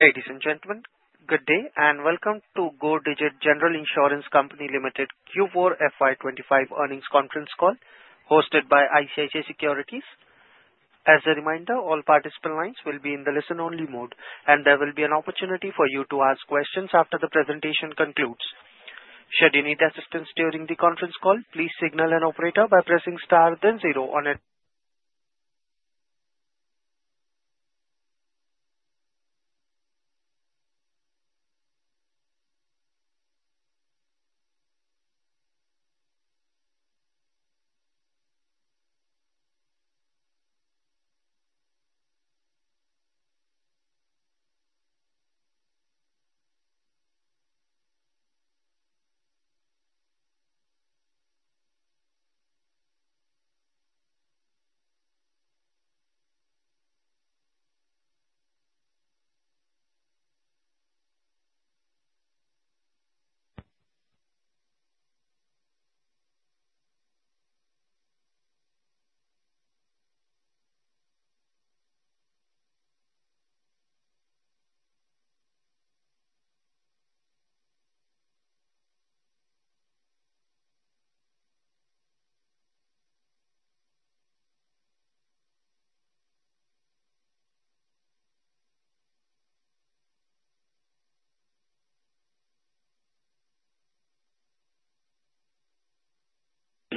Ladies and gentlemen, good day and welcome to Go Digit General Insurance Company Limited Q4 FY25 Earnings Conference Call hosted by ICICI Securities. As a reminder, all participant lines will be in the listen-only mode, and there will be an opportunity for you to ask questions after the presentation concludes. Should you need assistance during the conference call, please signal an operator by pressing star then zero on it.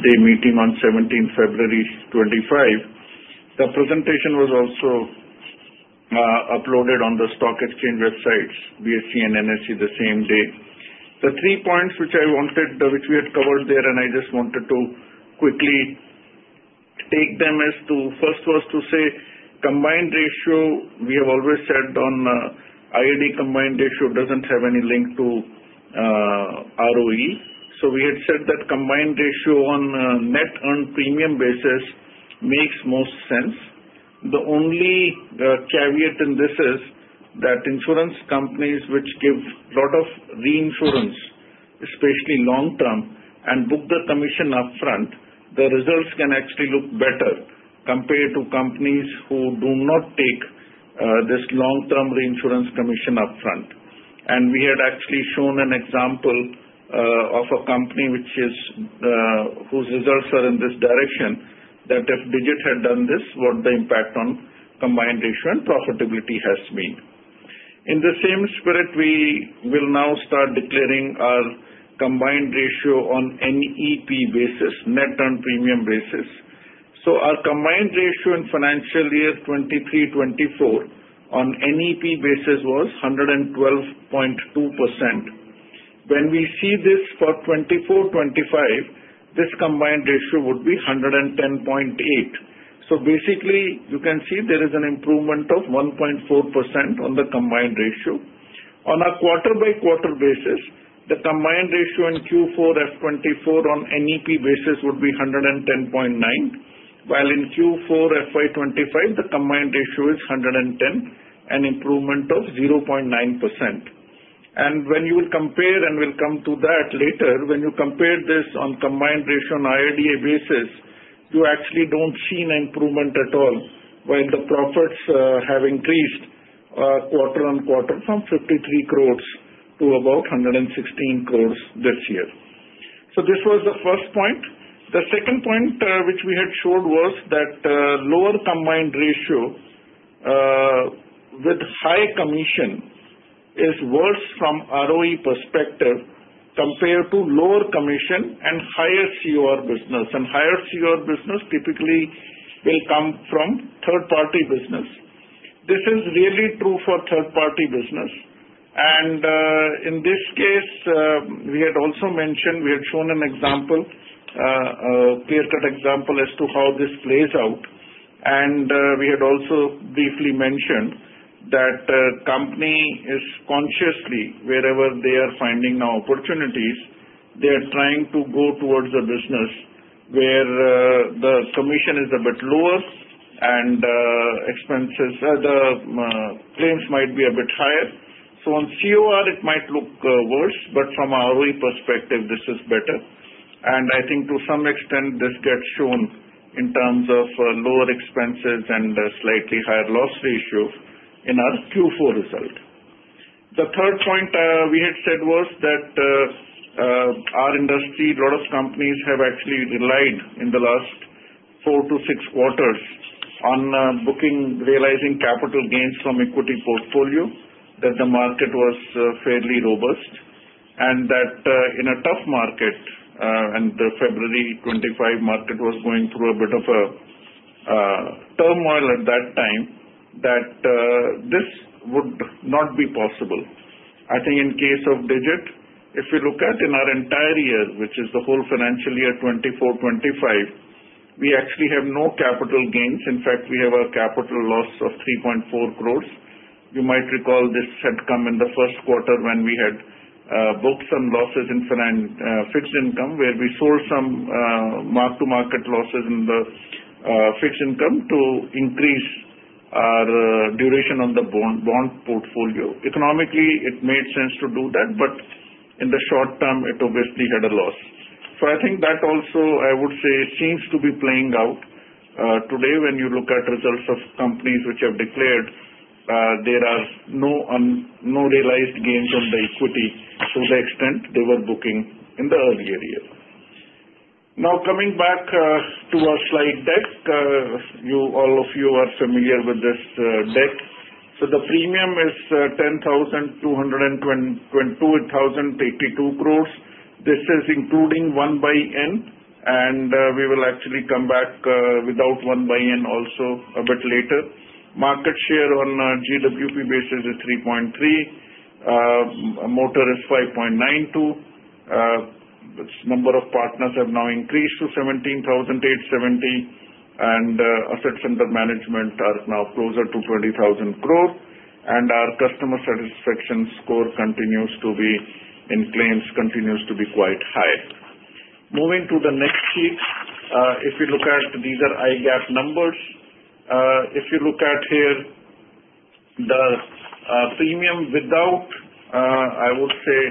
The meeting on 17 February 2025. The presentation was also uploaded on the stock exchange websites, BSE and NSE, the same day. The three points which I wanted, which we had covered there, and I just wanted to quickly take them as to first was to say combined ratio. We have always said on IRDAI combined ratio doesn't have any link to ROE. So we had said that combined ratio on net earned premium basis makes most sense. The only caveat in this is that insurance companies which give a lot of reinsurance, especially long-term, and book the commission upfront, the results can actually look better compared to companies who do not take this long-term reinsurance commission upfront. And we had actually shown an example of a company whose results are in this direction, that if Digit had done this, what the impact on combined ratio and profitability has been. In the same spirit, we will now start declaring our combined ratio on NEP basis, net earned premium basis. So our combined ratio in financial year 2023-2024 on NEP basis was 112.2%. When we see this for 2024-2025, this combined ratio would be 110.8%. So basically, you can see there is an improvement of 1.4% on the combined ratio. On a quarter-by-quarter basis, the combined ratio in Q4 FY24 on NEP basis would be 110.9%, while in Q4 FY25, the combined ratio is 110%, an improvement of 0.9%. And when you will compare and we'll come to that later, when you compare this on combined ratio on IRDAI basis, you actually don't see an improvement at all, while the profits have increased quarter on quarter from 53 crores to about 116 crores this year. So this was the first point. The second point which we had showed was that lower combined ratio with high commission is worse from ROE perspective compared to lower commission and higher COR business. And higher COR business typically will come from third-party business. This is really true for third-party business. And in this case, we had also mentioned we had shown an example, a clear-cut example as to how this plays out. And we had also briefly mentioned that the company is consciously, wherever they are finding now opportunities, they are trying to go towards a business where the commission is a bit lower and expenses, the claims might be a bit higher. So on COR, it might look worse, but from ROE perspective, this is better. And I think to some extent, this gets shown in terms of lower expenses and slightly higher loss ratio in our Q4 result. The third point we had said was that our industry, a lot of companies have actually relied in the last four to six quarters on booking, realizing capital gains from equity portfolio, that the market was fairly robust. And that in a tough market, and the February 2025 market was going through a bit of a turmoil at that time, that this would not be possible. I think in case of Digit, if you look at in our entire year, which is the whole financial year 2024-2025, we actually have no capital gains. In fact, we have a capital loss of 3.4 crores. You might recall this had come in the first quarter when we had booked losses in fixed income, where we saw some mark-to-market losses in the fixed income to increase our duration on the bond portfolio. Economically, it made sense to do that, but in the short term, it obviously had a loss. So I think that also, I would say, seems to be playing out today when you look at results of companies which have declared there are no realized gains on the equity to the extent they were booking in the earlier year. Now coming back to our slide deck, all of you are familiar with this deck. The premium is 10,282 crores. This is including 1/N, and we will actually come back without 1/N also a bit later. Market share on GWP basis is 3.3. Motor is 5.92. The number of partners have now increased to 17,870, and assets under management are now closer to 20,000 crore. Our customer satisfaction score continues to be quite high in claims. Moving to the next sheet, if you look at these are Indian GAAP numbers. If you look at here, the premium without, I would say,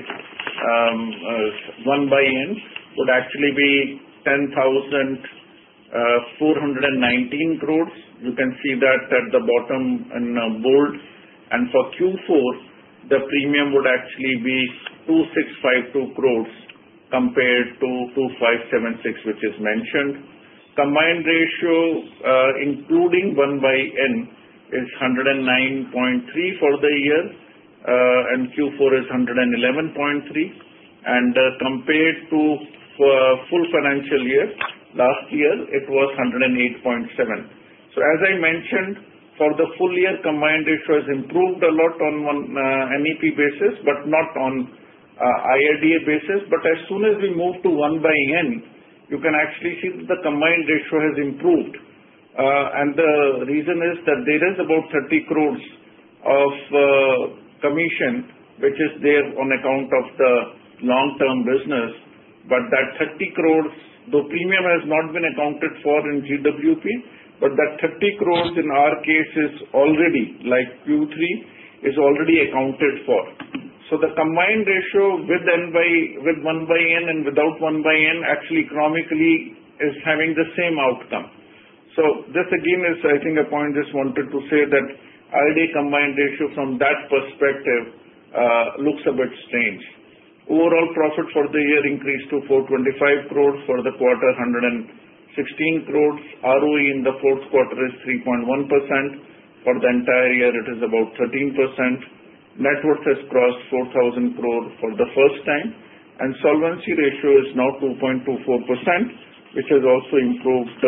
1/N would actually be 10,419 crores. You can see that at the bottom in bold. For Q4, the premium would actually be 2,652 crores compared to 2,576, which is mentioned. Combined ratio, including 1/N, is 109.3 for the year, and Q4 is 111.3. And compared to full financial year, last year, it was 108.7. As I mentioned, for the full year, combined ratio has improved a lot on NEP basis, but not on Ind-AS basis. As soon as we move to 1/N, you can actually see that the combined ratio has improved. The reason is that there is about 30 crores of commission, which is there on account of the long-term business. That 30 crores, the premium has not been accounted for in GWP, but that 30 crores in our case is already, like Q3, is already accounted for. The combined ratio with 1/N and without 1/N actually economically is having the same outcome. So this again is, I think, a point just wanted to say that Ind-AS combined ratio from that perspective looks a bit strange. Overall profit for the year increased to 425 crores. For the quarter, 116 crores. ROE in the fourth quarter is 3.1%. For the entire year, it is about 13%. Net worth has crossed 4,000 crores for the first time, and solvency ratio is now 2.24%, which has also improved,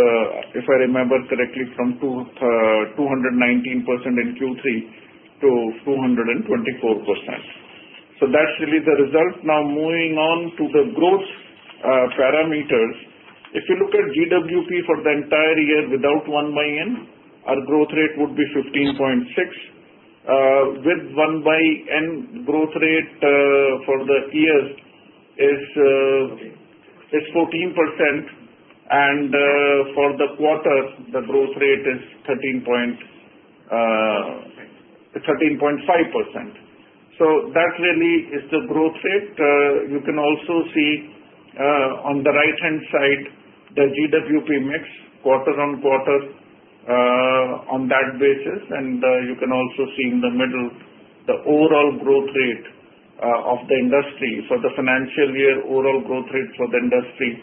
if I remember correctly, from 219% in Q3 to 224%, so that's really the result. Now moving on to the growth parameters. If you look at GWP for the entire year without 1/N, our growth rate would be 15.6. With 1/N, growth rate for the year is 14%, and for the quarter, the growth rate is 13.5%, so that really is the growth rate. You can also see on the right-hand side, the GWP mix quarter on quarter on that basis, and you can also see in the middle the overall growth rate of the industry. For the financial year, overall growth rate for the industry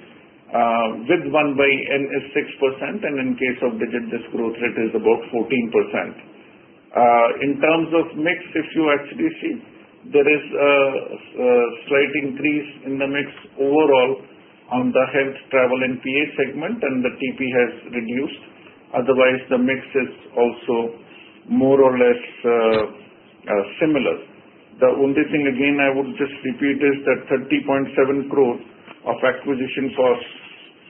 with 1/N is 6%, and in case of Digit, this growth rate is about 14%. In terms of mix, if you actually see, there is a slight increase in the mix overall on the health travel and PA segment, and the TP has reduced. Otherwise, the mix is also more or less similar. The only thing again I would just repeat is that 30.7 crores of acquisition cost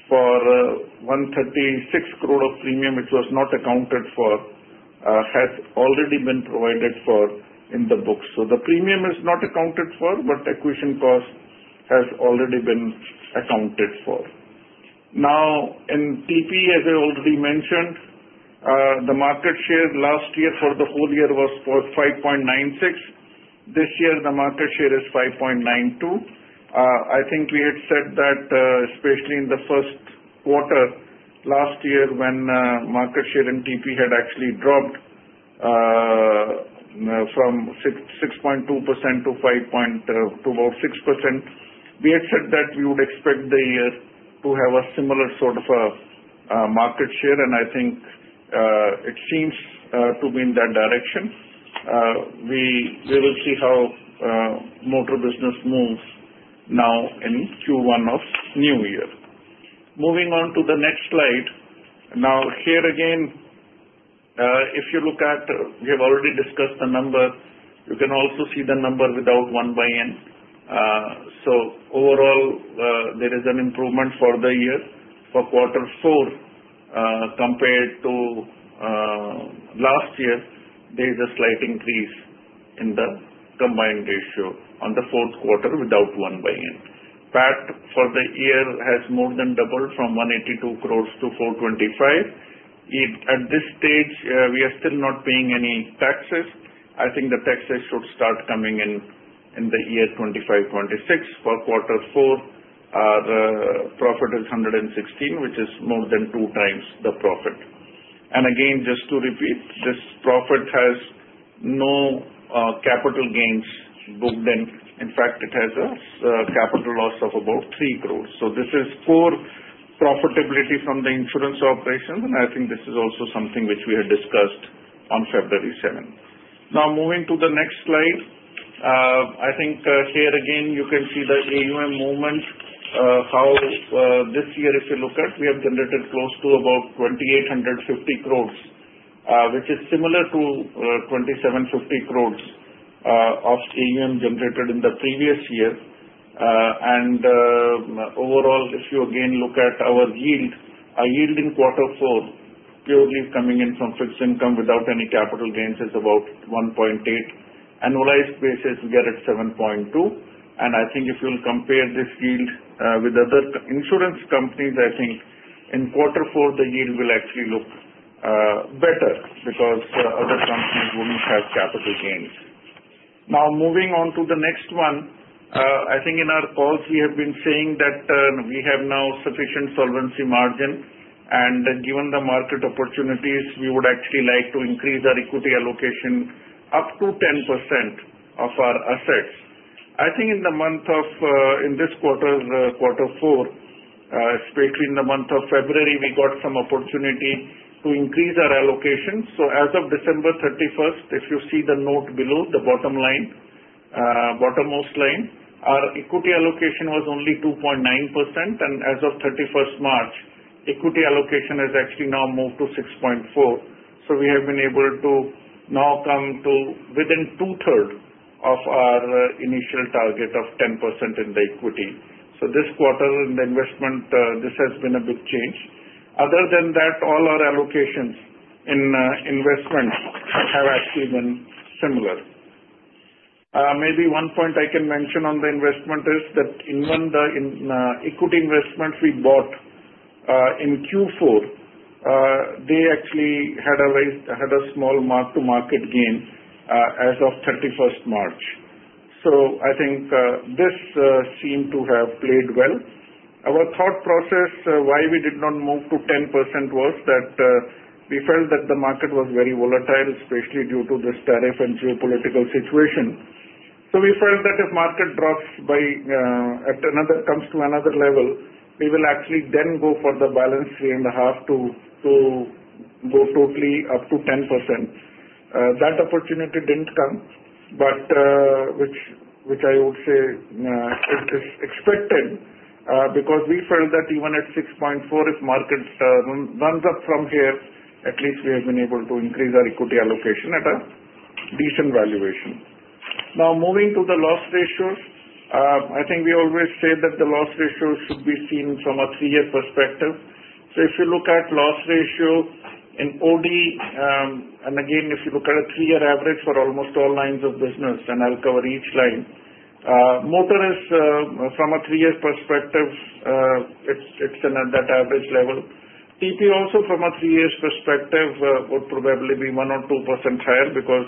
for 136 crores of premium, which was not accounted for, has already been provided for in the books. So the premium is not accounted for, but acquisition cost has already been accounted for. Now, in TP, as I already mentioned, the market share last year for the whole year was 5.96. This year, the market share is 5.92. I think we had said that, especially in the first quarter last year when market share in TP had actually dropped from 6.2% to about 6%. We had said that we would expect the year to have a similar sort of market share, and I think it seems to be in that direction. We will see how motor business moves now in Q1 of new year. Moving on to the next slide. Now, here again, if you look at, we have already discussed the number. You can also see the number without 1/N. So overall, there is an improvement for the year. For quarter four, compared to last year, there is a slight increase in the combined ratio on the fourth quarter without 1/N. PAT for the year has more than doubled from 182 crores to 425 crores. At this stage, we are still not paying any taxes. I think the taxes should start coming in in the year 2025-2026. For quarter four, our profit is 116, which is more than two times the profit. And again, just to repeat, this profit has no capital gains booked in. In fact, it has a capital loss of about 3 crores. So this is pure profitability from the insurance operation, and I think this is also something which we had discussed on February 7. Now, moving to the next slide. I think here again, you can see the EOM movement, how this year, if you look at, we have generated close to about 2,850 crores, which is similar to 2,750 crores of EOM generated in the previous year. And overall, if you again look at our yield, our yield in quarter four, purely coming in from fixed income without any capital gains, is about 1.8. Annualized basis, we are at 7.2. I think if you'll compare this yield with other insurance companies, I think in quarter four, the yield will actually look better because other companies wouldn't have capital gains. Now, moving on to the next one, I think in our calls, we have been saying that we have now sufficient solvency margin. And given the market opportunities, we would actually like to increase our equity allocation up to 10% of our assets. I think in the month of, in this quarter, quarter four, especially in the month of February, we got some opportunity to increase our allocation. So as of December 31, if you see the note below, the bottom line, bottom most line, our equity allocation was only 2.9%. And as of 31 March, equity allocation has actually now moved to 6.4%. So we have been able to now come to within two-thirds of our initial target of 10% in the equity. So this quarter, in the investment, this has been a big change. Other than that, all our allocations in investment have actually been similar. Maybe one point I can mention on the investment is that in the equity investments we bought in Q4, they actually had a small mark-to-market gain as of 31 March. So I think this seemed to have played well. Our thought process, why we did not move to 10% was that we felt that the market was very volatile, especially due to this tariff and geopolitical situation. We felt that if market drops by, comes to another level, we will actually then go for the balance 3.5% to go totally up to 10%. That opportunity didn't come, but which I would say is expected because we felt that even at 6.4, if market runs up from here, at least we have been able to increase our equity allocation at a decent valuation. Now, moving to the loss ratios, I think we always say that the loss ratios should be seen from a three-year perspective. If you look at loss ratio in OD, and again, if you look at a three-year average for almost all lines of business, and I'll cover each line, motor is from a three-year perspective, it's at that average level. TP also from a three-year perspective would probably be 1% or 2% higher because,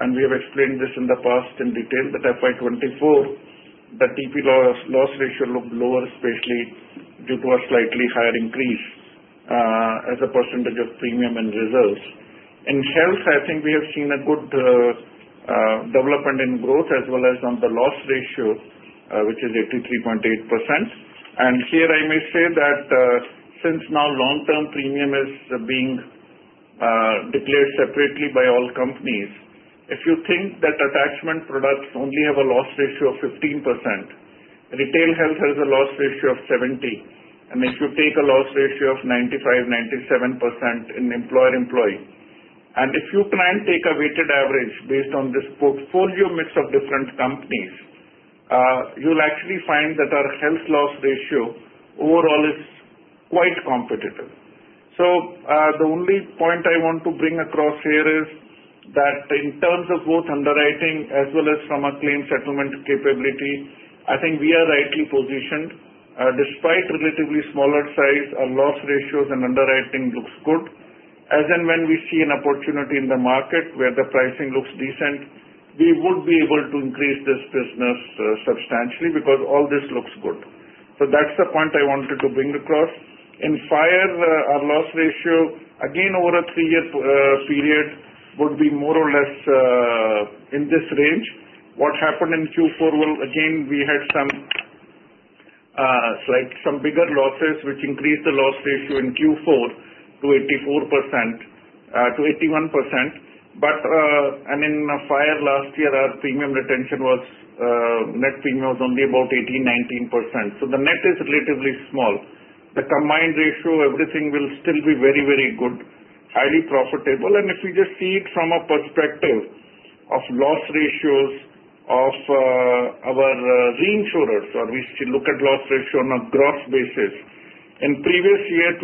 and we have explained this in the past in detail, that FY24, the TP loss ratio looked lower, especially due to a slightly higher increase as a percentage of premium and reserves. In health, I think we have seen a good development in growth as well as on the loss ratio, which is 83.8%. And here I may say that since now long-term premium is being declared separately by all companies, if you think that attachment products only have a loss ratio of 15%, retail health has a loss ratio of 70%. And if you take a loss ratio of 95%-97% in employer-employee, and if you try and take a weighted average based on this portfolio mix of different companies, you'll actually find that our health loss ratio overall is quite competitive. So the only point I want to bring across here is that in terms of both underwriting as well as from a claim settlement capability, I think we are rightly positioned. Despite relatively smaller size, our loss ratios and underwriting looks good. As in when we see an opportunity in the market where the pricing looks decent, we would be able to increase this business substantially because all this looks good. So that's the point I wanted to bring across. In fire, our loss ratio, again, over a three-year period, would be more or less in this range. What happened in Q4? Again, we had some bigger losses, which increased the loss ratio in Q4 to 84%, to 81%. But in fire last year, our premium retention was, net premium was only about 18%-19%. So the net is relatively small. But the combined ratio, everything will still be very, very good, highly profitable, and if you just see it from a perspective of loss ratios of our reinsurers, or we should look at loss ratio on a gross basis. In previous year,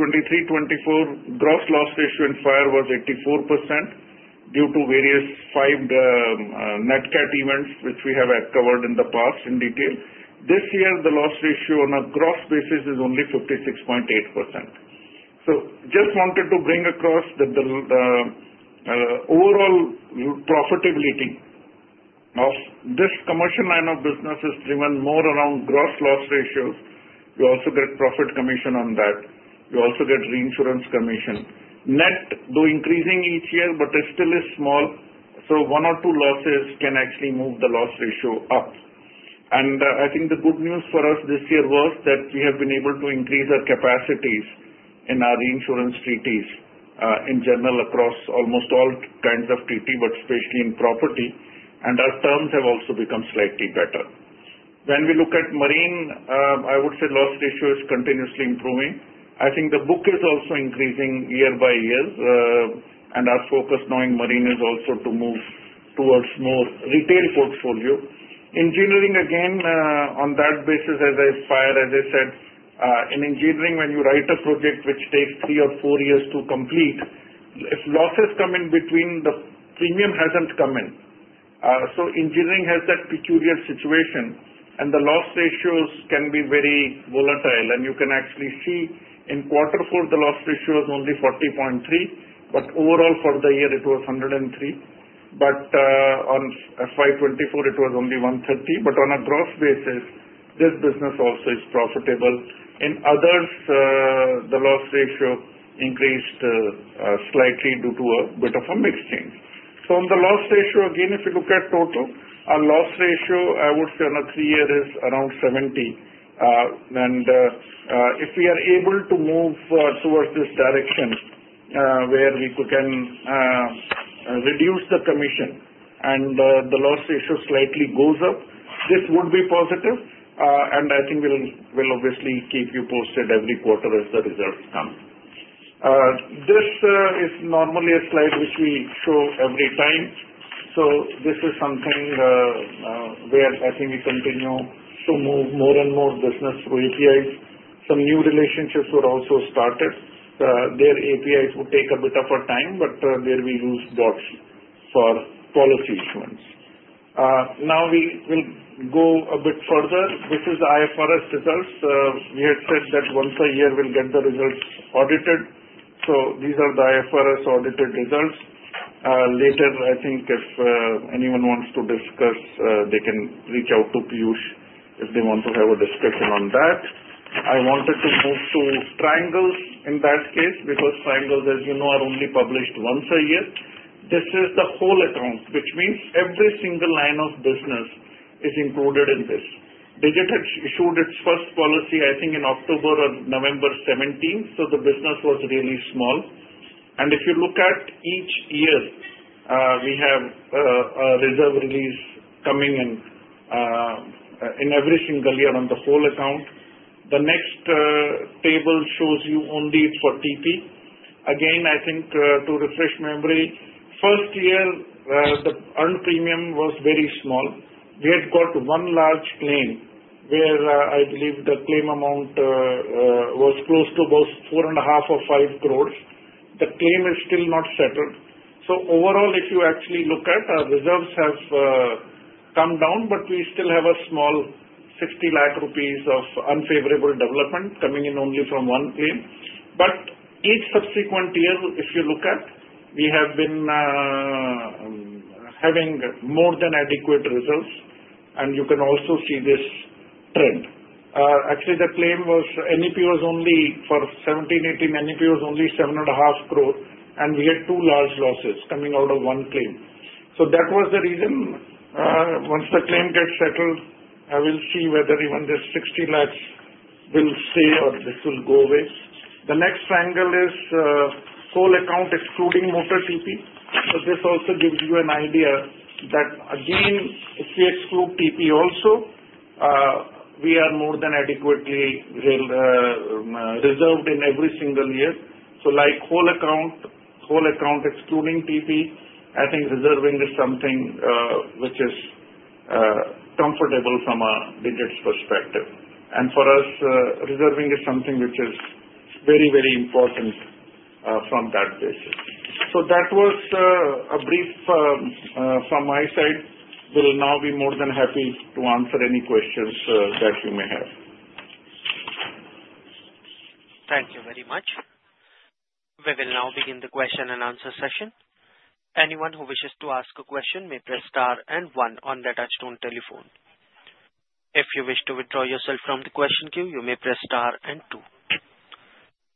2023-2024, gross loss ratio in fire was 84% due to various five net cat events, which we have covered in the past in detail. This year, the loss ratio on a gross basis is only 56.8%. So just wanted to bring across that the overall profitability of this commercial line of business is driven more around gross loss ratios. You also get profit commission on that. You also get reinsurance commission. Net though increasing each year, but it still is small, so one or two losses can actually move the loss ratio up. And I think the good news for us this year was that we have been able to increase our capacities in our reinsurance treaties in general across almost all kinds of treaties, but especially in property. And our terms have also become slightly better. Then when we look at marine, I would say loss ratio is continuously improving. I think the book is also increasing year by year. And our focus in marine is also to move towards more retail portfolio. Engineering, again, on that basis, as I said earlier, as I said, in engineering, when you write a project which takes three or four years to complete, if losses come in between, the premium hasn't come in. So engineering has that peculiar situation. And the loss ratios can be very volatile. You can actually see in quarter four, the loss ratio was only 40.3%. But overall, for the year, it was 103. But on FY 2024, it was only 130. But on a gross basis, this business also is profitable. In others, the loss ratio increased slightly due to a bit of a mix change. So on the loss ratio, again, if you look at total, our loss ratio, I would say on a three-year, is around 70. And if we are able to move towards this direction where we can reduce the commission and the loss ratio slightly goes up, this would be positive. And I think we'll obviously keep you posted every quarter as the results come. This is normally a slide which we show every time. So this is something where I think we continue to move more and more business through APIs. Some new relationships were also started. Their APIs would take a bit of a time, but there we use bots for policy issuance. Now, we will go a bit further. This is IFRS results. We had said that once a year, we'll get the results audited. So these are the IFRS audited results. Later, I think if anyone wants to discuss, they can reach out to Piyush if they want to have a discussion on that. I wanted to move to triangles in that case because triangles, as you know, are only published once a year. This is the whole account, which means every single line of business is included in this. Digit had issued its first policy, I think, in October or November 2017. So the business was really small, and if you look at each year, we have a reserve release coming in every single year on the whole account. The next table shows you only for TP. Again, I think to refresh memory, first year, the earned premium was very small. We had got one large claim where I believe the claim amount was close to about 4.5 crore-5 crore. The claim is still not settled. So overall, if you actually look at our reserves, have come down, but we still have a small 60 lakh rupees of unfavorable development coming in only from one claim. But each subsequent year, if you look at, we have been having more than adequate results. And you can also see this trend. Actually, the claim was NEP was only for 1718, NEP was only 7.5 crore. And we had two large losses coming out of one claim. So that was the reason. Once the claim gets settled, I will see whether even this 6,000,000 will stay or this will go away. The next triangle is whole account excluding motor TP, so this also gives you an idea that, again, if we exclude TP also, we are more than adequately reserved in every single year, so like whole account, whole account excluding TP, I think reserving is something which is comfortable from a Digit's perspective, and for us, reserving is something which is very, very important from that basis, so that was a brief from my side. We'll now be more than happy to answer any questions that you may have. Thank you very much. We will now begin the question and answer session. Anyone who wishes to ask a question may press star and one on the touch-tone telephone. If you wish to withdraw yourself from the question queue, you may press star and two.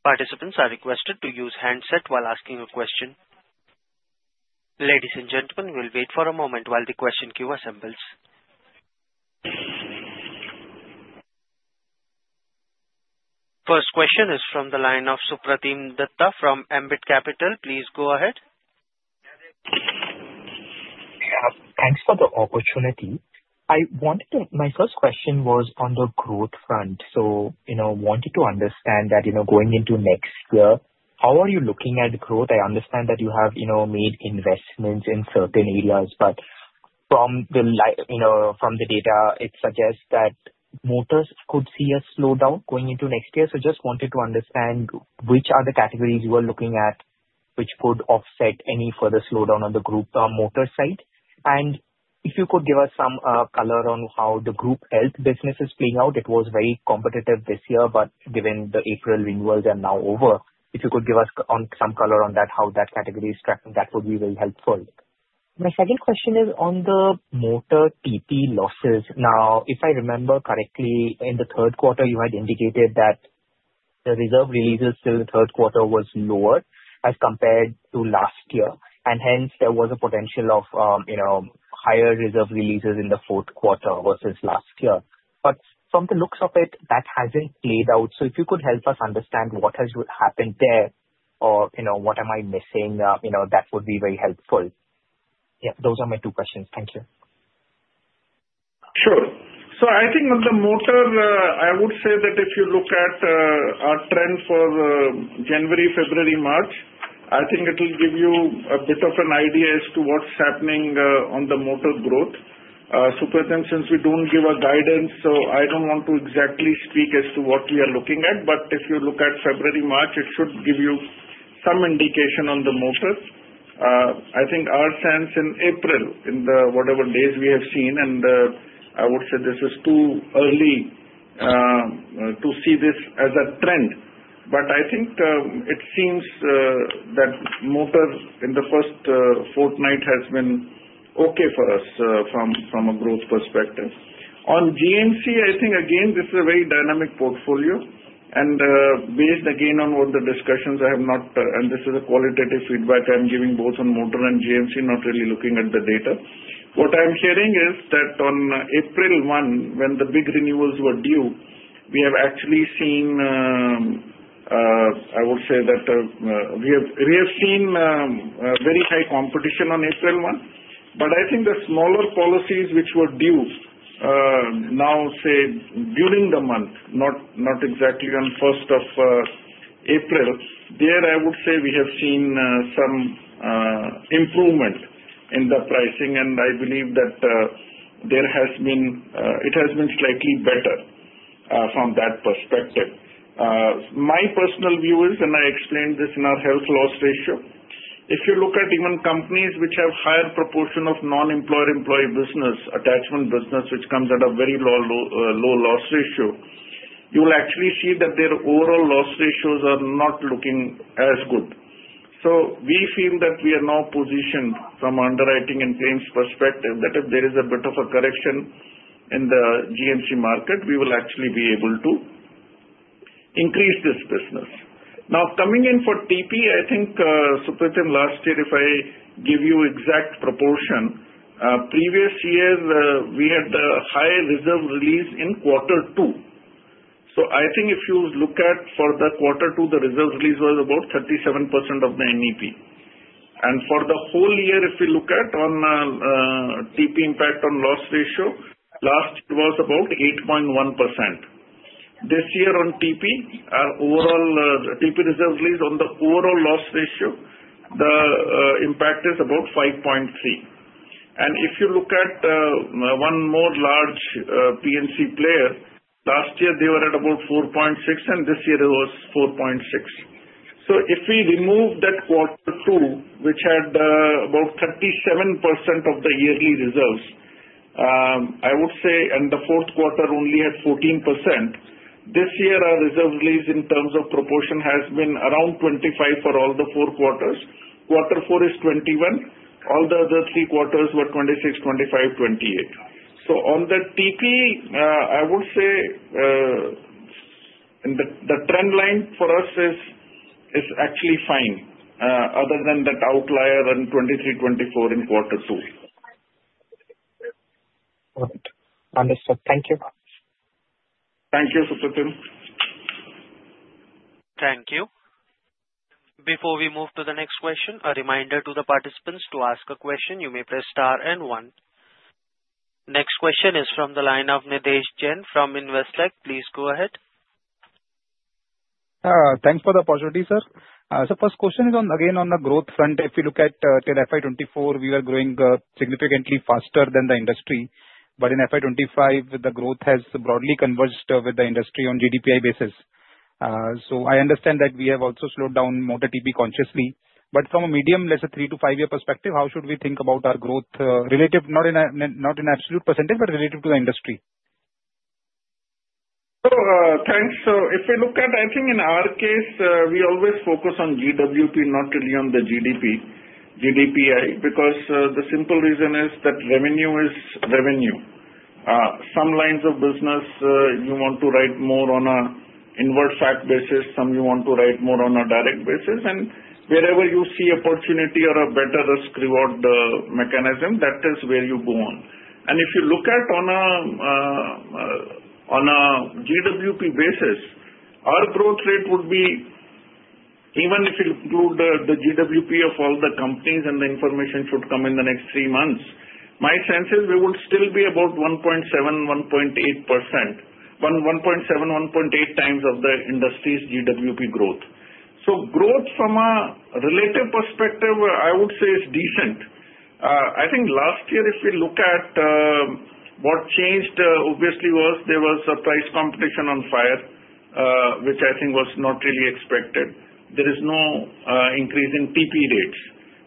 Participants are requested to use handset while asking a question. Ladies and gentlemen, we'll wait for a moment while the question queue assembles. First question is from the line of Supratim Datta from Ambit Capital. Please go ahead. Thanks for the opportunity. My first question was on the growth front. So wanted to understand that going into next year, how are you looking at growth? I understand that you have made investments in certain areas, but like from the data, it suggests that motors could see a slowdown going into next year. So just wanted to understand which are the categories you are looking at which could offset any further slowdown on the group motor side. And if you could give us some color on how the group health business is playing out. It was very competitive this year, but given the April renewals are now over, if you could give us some color on that, how that category is tracking, that would be very helpful. My second question is on the motor TP losses. Now, if I remember correctly, in the third quarter, you had indicated that the reserve releases till the third quarter was lower as compared to last year. And hence, there was a potential of, you know, higher reserve releases in the fourth quarter versus last year. But from the looks of it, that hasn't played out. So if you could help us understand what has happened there or what am I missing, that would be very helpful. Yeah, those are my two questions. Thank you. Sure. So I think on the motor, I would say that if you look at our trend for January, February, March, I think it will give you a bit of an idea as to what's happening on the motor growth. So since we don't give a guidance, so I don't want to exactly speak as to what we are looking at. But if you look at February, March, it should give you some indication on the motor. I think our sense in April, in the whatever days we have seen, and I would say this is too early to see this as a trend. But I think it seems that motor in the first fortnight has been okay for us from a growth perspective. On GMC, I think, again, this is a very dynamic portfolio. And based again on what the discussions I have had, this is a qualitative feedback I'm giving both on motor and GMC, not really looking at the data. What I'm hearing is that on April 1, when the big renewals were due, we have actually seen. I would say that we have seen very high competition on April 1. I think the smaller policies which were due now, say, during the month, not not exactly on 1st of April, there. I would say we have seen some improvement in the pricing. I believe that there has been. It has been slightly better from that perspective. My personal view is, and I explained this in our health loss ratio, if you look at even companies which have higher proportion of non-employer-employee business, attachment business, which comes at a very low loss ratio, you will actually see that their overall loss ratios are not looking as good. So we feel that we are now positioned from underwriting and claims perspective that if there is a bit of a correction in the GMC market, we will actually be able to increase this business. Now, coming in for TP, I think Supratim last year, if I give you exact proportion, previous year, we had the high reserve release in quarter two. So I think if you look at for the quarter two, the reserve release was about 37% of the NEP. And for the whole year, if you look at on TP impact on loss ratio, last year was about 8.1%. This year on TP, our overall TP reserve release on the overall loss ratio, the impact is about 5.3. And if you look at one more large P&C player, last year, they were at about 4.6, and this year it was 4.6. So if we remove that quarter two, which had about 37% of the yearly reserves, I would say, and the fourth quarter only had 14%, this year, our reserve release in terms of proportion has been around 25 for all the four quarters. Quarter four is 21. All the other three quarters were 26, 25, 28. So on the TP, I would say the trend line for us is actually fine, other than that outlier on 2023, 2024 in quarter two. All right. Understood. Thank you. Thank you, Supratim. Thank you. Before we move to the next question, a reminder to the participants to ask a question. You may press star and one. Next question is from the line of Nidhesh Jain from Investec. Please go ahead. Thanks for the opportunity, sir. So first question is again on the growth front. If you look at FY24, we were growing significantly faster than the industry. But in FY25, the growth has broadly converged with the industry on GDPI basis. So I understand that we have also slowed down motor TP consciously. But from a medium-term, let's say three- to five-year perspective, how should we think about our growth relative not in absolute percentage, but relative to the industry? So thanks. So if we look at, I think in our case, we always focus on GWP, not really on the GDP, GDPI, because the simple reason is that revenue is revenue. Some lines of business, you want to write more on an inward FAC basis. Some you want to write more on a direct basis. And wherever you see opportunity or a better risk-reward mechanism, that is where you go on. And if you look at on a GWP basis, our growth rate would be, even if you include the GWP of all the companies and the information should come in the next three months, my sense is we would still be about 1.7-1.8%, 1.7-1.8 times of the industry's GWP growth. So growth from a relative perspective, I would say is decent. I think last year, if you look at what changed, obviously there was a price competition on fire, which I think was not really expected. There is no increase in TP rates.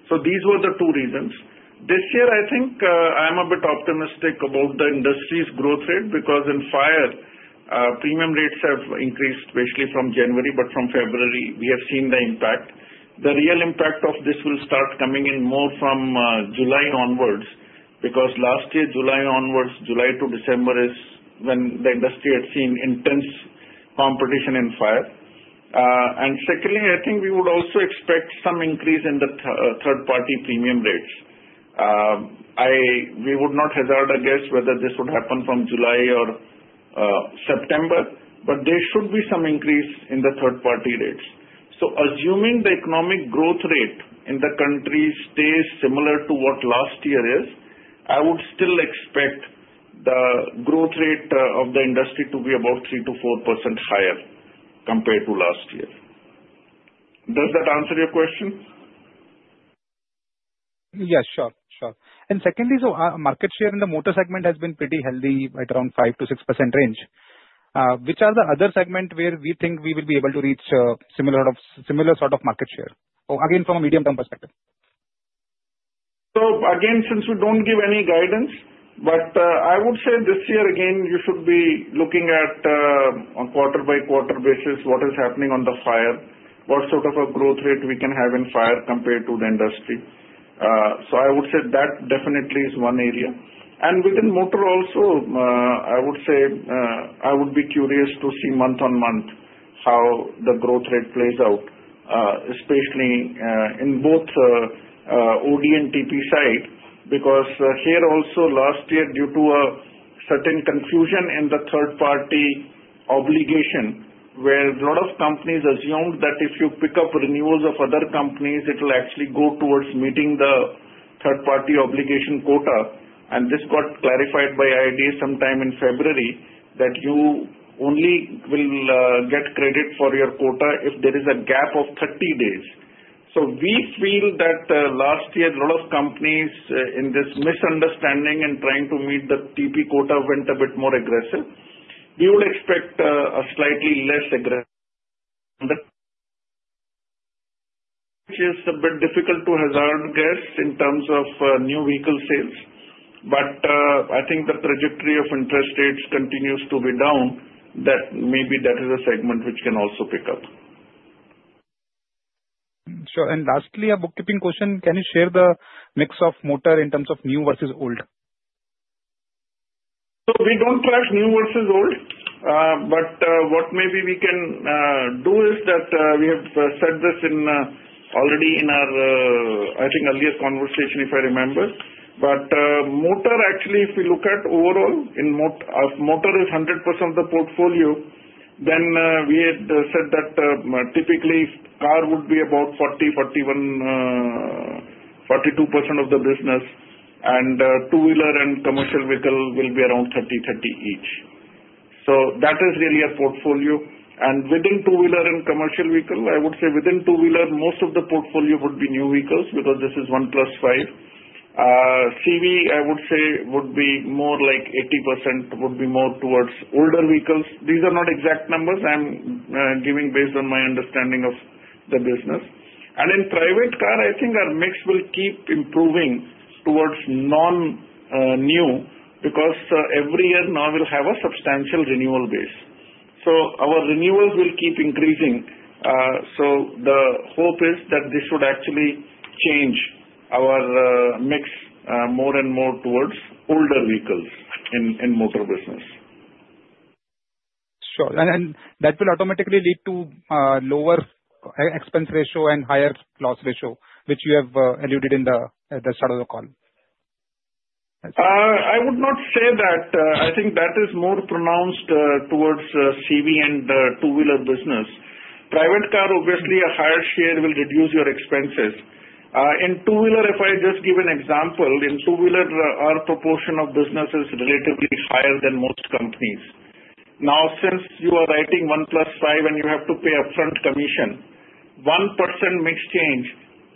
So these were the two reasons. This year, I think I'm a bit optimistic about the industry's growth rate because in fire, premium rates have increased, especially from January, but from February, we have seen the impact. The real impact of this will start coming in more from July onwards because last year, July onwards, July to December is when the industry had seen intense competition in fire. And secondly, I think we would also expect some increase in the third-party premium rates. We would not hazard a guess whether this would happen from July or September, but there should be some increase in the third-party rates. So assuming the economic growth rate in the country stays similar to what last year is, I would still expect the growth rate of the industry to be about 3%-4% higher compared to last year. Does that answer your question? Yes, sure. Sure. And secondly, so market share in the motor segment has been pretty healthy, right around 5%-6% range. Which are the other segment where we think we will be able to reach a similar similar sort of market share? Again, from a medium-term perspective. So again, since we don't give any guidance, but I would say this year, again, you should be looking at on quarter-by-quarter basis what is happening on the fire, what sort of a growth rate we can have in fire compared to the industry. So I would say that definitely is one area. And within motor also, I would say I would be curious to see month on month how the growth rate plays out, especially in both OD and TP side, because here also last year, due to a certain confusion in the third-party obligation where a lot of companies assumed that if you pick up renewals of other companies, it will actually go towards meeting the third-party obligation quota. And this got clarified by IRDAI sometime in February that you only will get credit for your quota if there is a gap of 30 days. So, we feel that last year, a lot of companies in this misunderstanding and trying to meet the TP quota went a bit more aggressive. We would expect a slightly less aggressive, which is a bit difficult to hazard guess in terms of new vehicle sales. But I think the trajectory of interest rates continues to be down, that maybe that is a segment which can also pick up. Sure, and lastly, a bookkeeping question. Can you share the mix of motor in terms of new versus old? So we don't track new versus old. But what maybe we can do is that we have said this already in our, I think, earlier conversation, if I remember. But motor, actually, if we look at overall, if motor is 100% of the portfolio, then we had said that typically car would be about 40, 41, 42% of the business, and two-wheeler and commercial vehicle will be around 30, 30 each. So that is really a portfolio. And within two-wheeler and commercial vehicle, I would say within two-wheeler, most of the portfolio would be new vehicles because this is one plus five. CV, I would say, would be more like 80% would be more towards older vehicles. These are not exact numbers. I'm giving based on my understanding of the business. And in private car, I think our mix will keep improving towards non-new because every year now we'll have a substantial renewal base. So our renewals will keep increasing. So the hope is that this would actually change our mix more and more towards older vehicles in motor business. Sure. And that will automatically lead to lower expense ratio and higher loss ratio, which you have alluded in the start of the call. I would not say that. I think that is more pronounced towards CV and two-wheeler business. Private car, obviously, a higher share will reduce your expenses. In two-wheeler, if I just give an example, in two-wheeler, our proportion of business is relatively higher than most companies. Now, since you are writing one plus five and you have to pay upfront commission, 1% mix change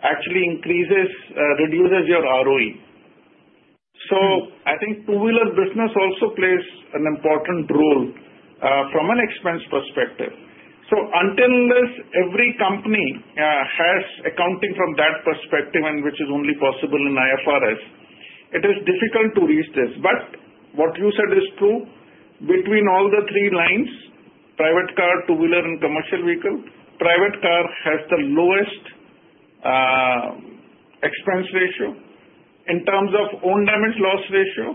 actually reduces your ROE. So I think two-wheeler business also plays an important role from an expense perspective. So until this, every company has accounting from that perspective, which is only possible in IFRS. It is difficult to reach this. But what you said is true. Between all the three lines, private car, two-wheeler, and commercial vehicle, private car has the lowest expense ratio. In terms of own damage loss ratio,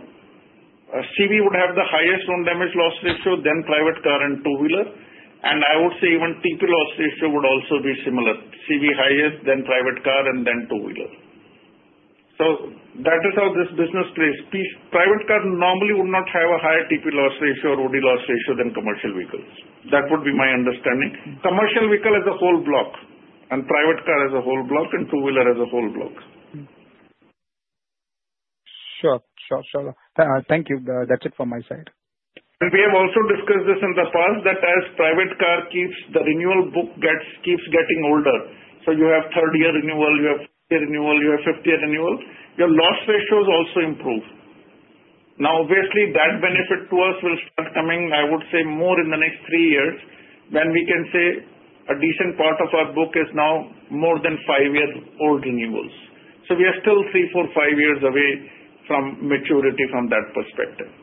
CV would have the highest own damage loss ratio than private car and two-wheeler. And I would say even TP loss ratio would also be similar. CV higher than private car and then two-wheeler. So that is how this business plays. Private car normally would not have a higher TP loss ratio or OD loss ratio than commercial vehicles. That would be my understanding. Commercial vehicle as a whole block and private car as a whole block and two-wheeler as a whole block. Sure. Sure. Sure. Thank you. That's it from my side. We have also discussed this in the past that as private car keeps the renewal book keeps getting older. So you have third-year renewal, you have fifth-year renewal, you have fifth-year renewal. Your loss ratio is also improved. Now, obviously, that benefit to us will start coming, I would say, more in the next three years when we can say a decent part of our book is now more than five-year-old renewals. So we are still three, four, five years away from maturity from that perspective.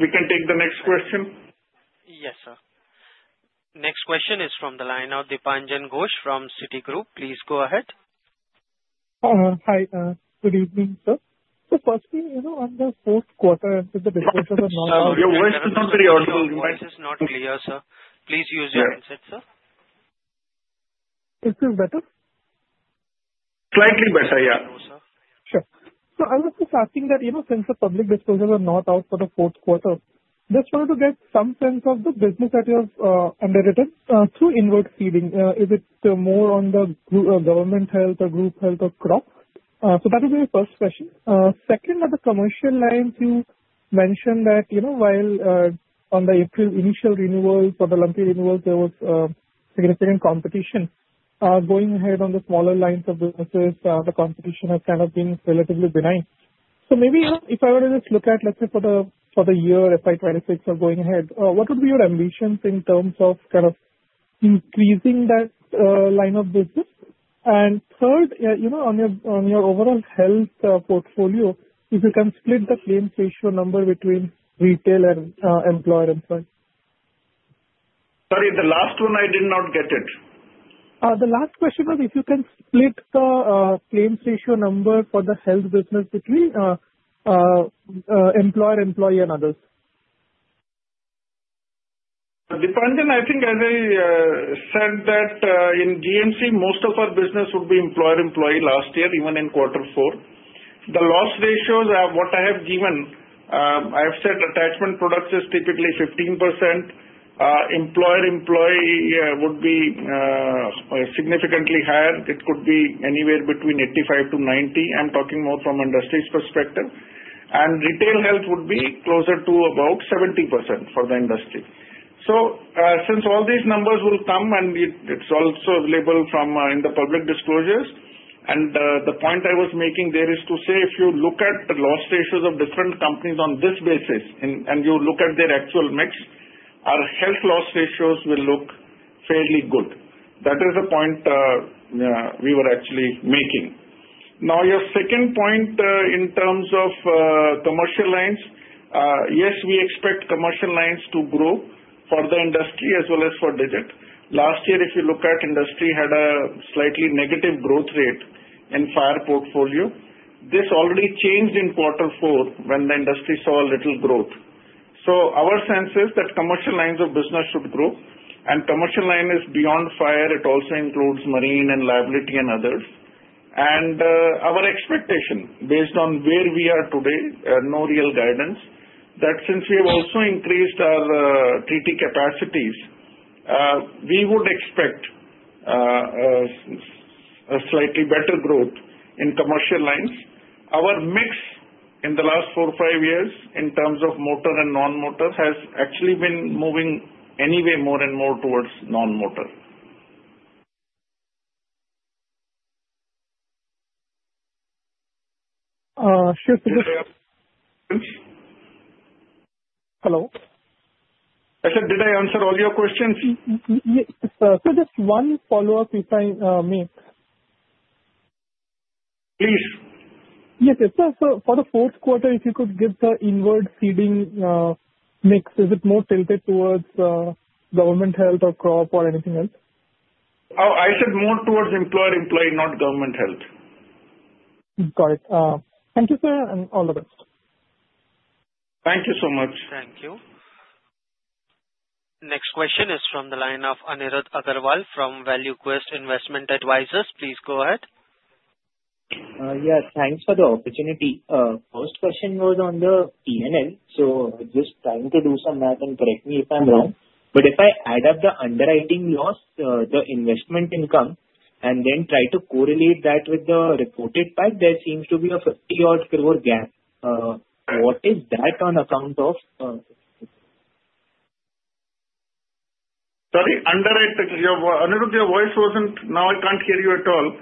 We can take the next question. Yes, sir. Next question is from the line of Dipanjan Ghosh from Citigroup. Please go ahead. Hi. Good evening, sir. So firstly, on the fourth quarter, the disclosures are not out. Your voice is not clear, sir. Please use your handset, sir. This is better? Slightly better, yeah. No, sir. Sure, so I was just asking that since the public disclosures are not out for the fourth quarter, just wanted to get some sense of the business that you have underwritten through inward ceding. Is it more on the government health or group health or crop? So that would be my first question. Second, on the commercial line, you mentioned that while on the April initial renewals or the lumpy renewals, there was significant competition. Going ahead on the smaller lines of businesses, the competition has kind of been relatively benign. So maybe if I were to just look at, let's say, for the year, FY26 or going ahead, what would be your ambitions in terms of kind of increasing that line of business, and third, on your overall health portfolio, if you can split the claims ratio number between retail and employer-employee. Sorry, the last one, I did not get it. The last question was if you can split the claims ratio number for the health business between employer-employee and others. Dipanjan, I think as I said that in GMC, most of our business would be employer-employee last year, even in quarter four. The loss ratios, what I have given, I have said attachment products is typically 15%. Employer-employee would be significantly higher. It could be anywhere between 85%-90%. I'm talking more from industry's perspective, and retail health would be closer to about 70% for the industry, so since all these numbers will come and it's also available in the public disclosures, and the point I was making there is to say if you look at the loss ratios of different companies on this basis and you look at their actual mix, our health loss ratios will look fairly good. That is the point we were actually making. Now, your second point in terms of commercial lines, yes, we expect commercial lines to grow for the industry as well as for Digit. Last year, if you look at industry, had a slightly negative growth rate in fire portfolio. This already changed in quarter four when the industry saw a little growth. So our sense is that commercial lines of business should grow. And commercial line is beyond fire. It also includes marine and liability and others. And our expectation based on where we are today, no real guidance, that since we have also increased our treaty capacities, we would expect a slightly better growth in commercial lines. Our mix in the last four or five years in terms of motor and non-motor has actually been moving anyway more and more towards non-motor. Sure. So just. Hello. I said, did I answer all your questions? Yes. So just one follow-up, if I may. Please. Yes, yes. So for the fourth quarter, if you could give the inward ceding mix, is it more tilted towards government health or crop or anything else? Oh, I said more towards employer-employee, not government health. Got it. Thank you, sir, and all the best. Thank you so much. Thank you. Next question is from the line of Anirudh Agrawal from ValueQuest Investment Advisors. Please go ahead. Yes. Thanks for the opportunity. First question was on the P&L. So just trying to do some math and correct me if I'm wrong. But if I add up the underwriting loss, the investment income, and then try to correlate that with the reported PAT, there seems to be a 50-odd crore gap. What is that on account of? Sorry, Anirudh, your voice wasn't. Now I can't hear you at all.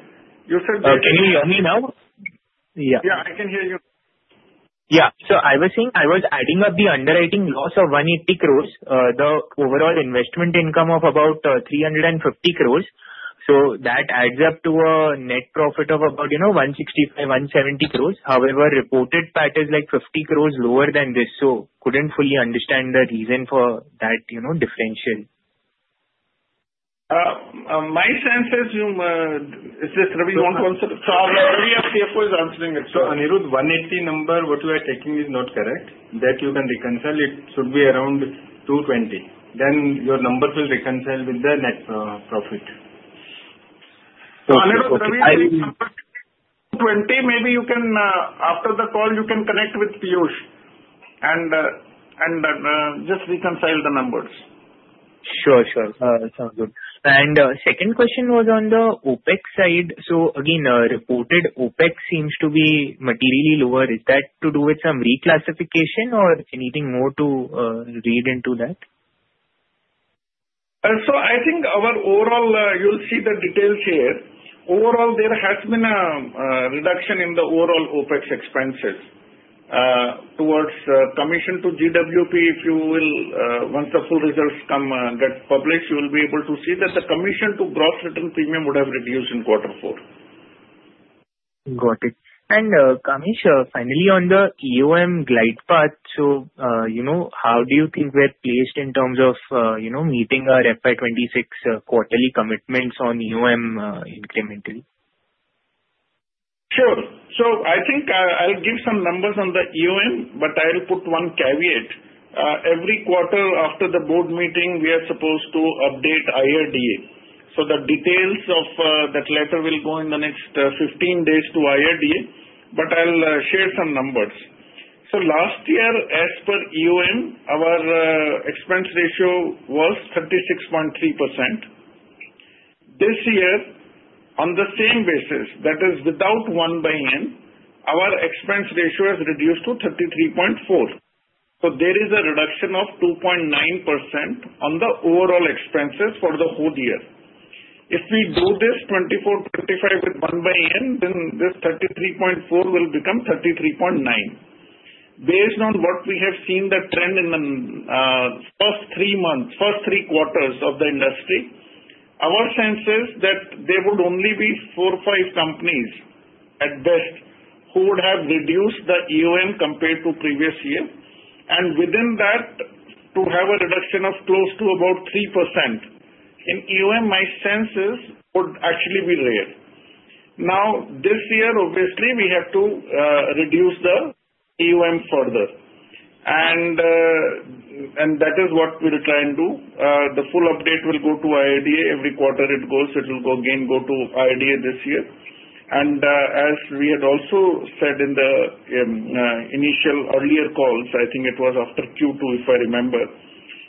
You said that. Can you hear me now? Yeah. I can hear you. Yeah. So I was saying I was adding up the underwriting loss of 180 crores, the overall investment income of about 350 crores. So that adds up to a net profit of about 165-170 crores. However, reported PAT is like 50 crores lower than this. So couldn't fully understand the reason for that differential. My sense is just Ravi wants to answer. So Ravi, CFO, is answering it. So Anirudh, 180 number, what you are taking is not correct. That you can reconcile, it should be around 220. Then your numbers will reconcile with the net profit. So Anirudh, Ravi 220, maybe you can, after the call, you can connect with Piyush and just reconcile the numbers. Sure, sure. Sounds good. And second question was on the OpEx side. So again, reported OpEx seems to be materially lower. Is that to do with some reclassification or anything more to read into that? So I think our overall, you'll see the details here. Overall, there has been a reduction in the overall OpEx expenses towards commission to GWP, if you will, once the full results get published, you will be able to see that the commission to gross written premium would have reduced in quarter four. Got it. And Kamesh, finally on the EOM glide path, so, you know, how do you think we're placed in terms of, you know, meeting our FY26 quarterly commitments on EOM incrementally? Sure. So I think I'll give some numbers on the EOM, but I'll put one caveat. Every quarter after the board meeting, we are supposed to update IRDAI. So the details of that letter will go in the next 15 days to IRDAI, but I'll share some numbers. So last year, as per EOM, our expense ratio was 36.3%. This year, on the same basis, that is without 1/N, our expense ratio has reduced to 33.4%. So there is a reduction of 2.9% on the overall expenses for the whole year. If we do this 24/25 with 1/N, then this 33.4% will become 33.9%. Based on what we have seen, the trend in the first three quarters of the industry, our sense is that there would only be four or five companies at best who would have reduced the EOM compared to previous year. And within that, to have a reduction of close to about 3% in EOM, my sense is, would actually be rare. Now, this year, obviously, we have to reduce the EOM further. And that is what we'll try and do. The full update will go to IRDAI every quarter it goes. It will again go to IRDAI this year. And as we had also said in the initial earlier calls, I think it was after Q2, if I remember,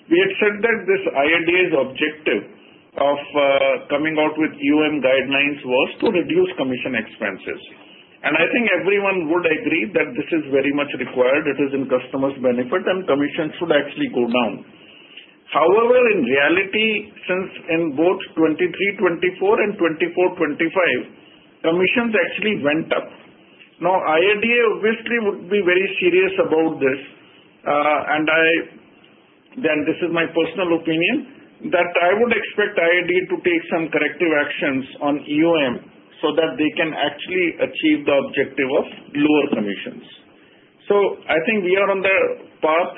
we had said that this IRDAI's objective of coming out with EOM guidelines was to reduce commission expenses. And I think everyone would agree that this is very much required. It is in customer's benefit, and commissions should actually go down. However, in reality, since in both 2023/24 and 2024/25, commissions actually went up. Now, IRDAI obviously would be very serious about this. And I, that is my personal opinion, that I would expect IRDAI to take some corrective actions on EOM so that they can actually achieve the objective of lower commissions. So I think we are on the path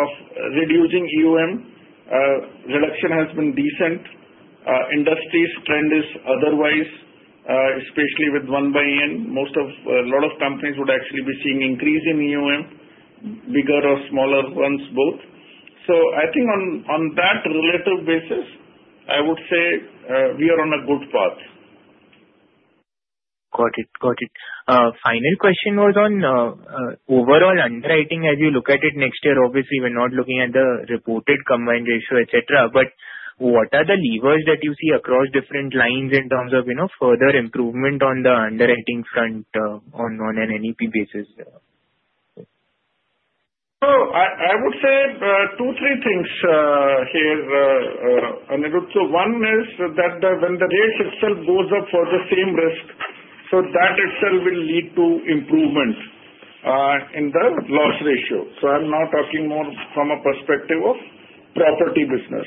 of reducing EOM. Reduction has been decent. Industry's trend is otherwise, especially with 1/N, most of a lot of companies would actually be seeing increase in EOM, bigger or smaller ones, both. So I think on that relative basis, I would say we are on a good path. Got it. Got it. Final question was on overall underwriting. As you look at it next year, obviously, we're not looking at the reported combined ratio, etc., but what are the levers that you see across different lines in terms of further improvement on the underwriting front on an NEP basis? So I would say two or three things here, Anirudh. One is that when the rate itself goes up for the same risk, so that itself will lead to improvement in the loss ratio. So I'm now talking more from a perspective of property business.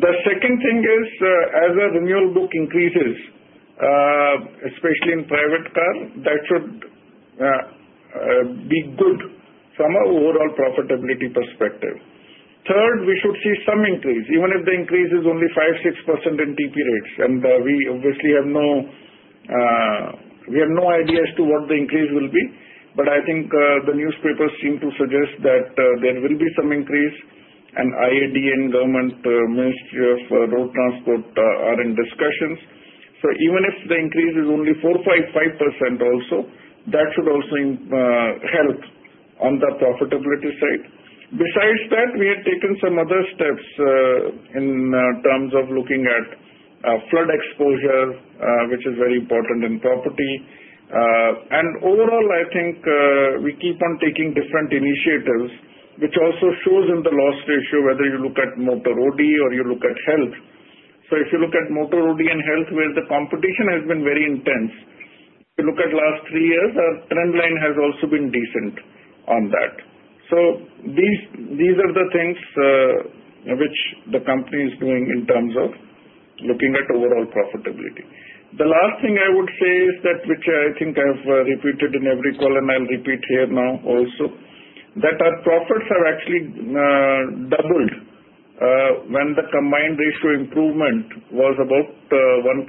The second thing is, as the renewal book increases, especially in private car, that should be good from an overall profitability perspective. Third, we should see some increase, even if the increase is only 5%-6% in TP rates. We obviously have no idea as to what the increase will be, but I think the newspapers seem to suggest that there will be some increase, and IRDAI and Ministry of Road Transport and Highways are in discussions. So even if the increase is only 4%-5% also, that should also help on the profitability side. Besides that, we have taken some other steps in terms of looking at flood exposure, which is very important in property. And overall, I think we keep on taking different initiatives, which also shows in the loss ratio, whether you look at Motor OD or you look at health. So if you look at Motor OD and health, where the competition has been very intense, if you look at last three years, our trend line has also been decent on that. So these are the things which the company is doing in terms of looking at overall profitability. The last thing I would say is that, which I think I've repeated in every call, I'll repeat here now also, that our profits have actually doubled when the combined ratio improvement was about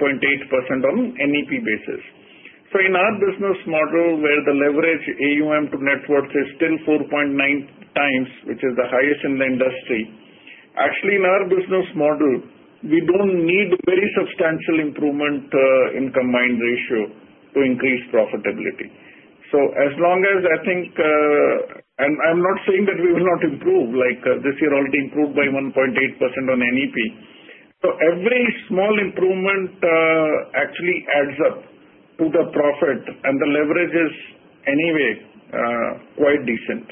1.8% on an NEP basis. So in our business model, where the leverage EOM to net worth is still 4.9 times, which is the highest in the industry. Actually in our business model, we don't need very substantial improvement in combined ratio to increase profitability. So as long as I think, and I'm not saying that we will not improve, like this year already improved by 1.8% on NEP. So every small improvement actually adds up to the profit, and the leverage is anyway quite decent.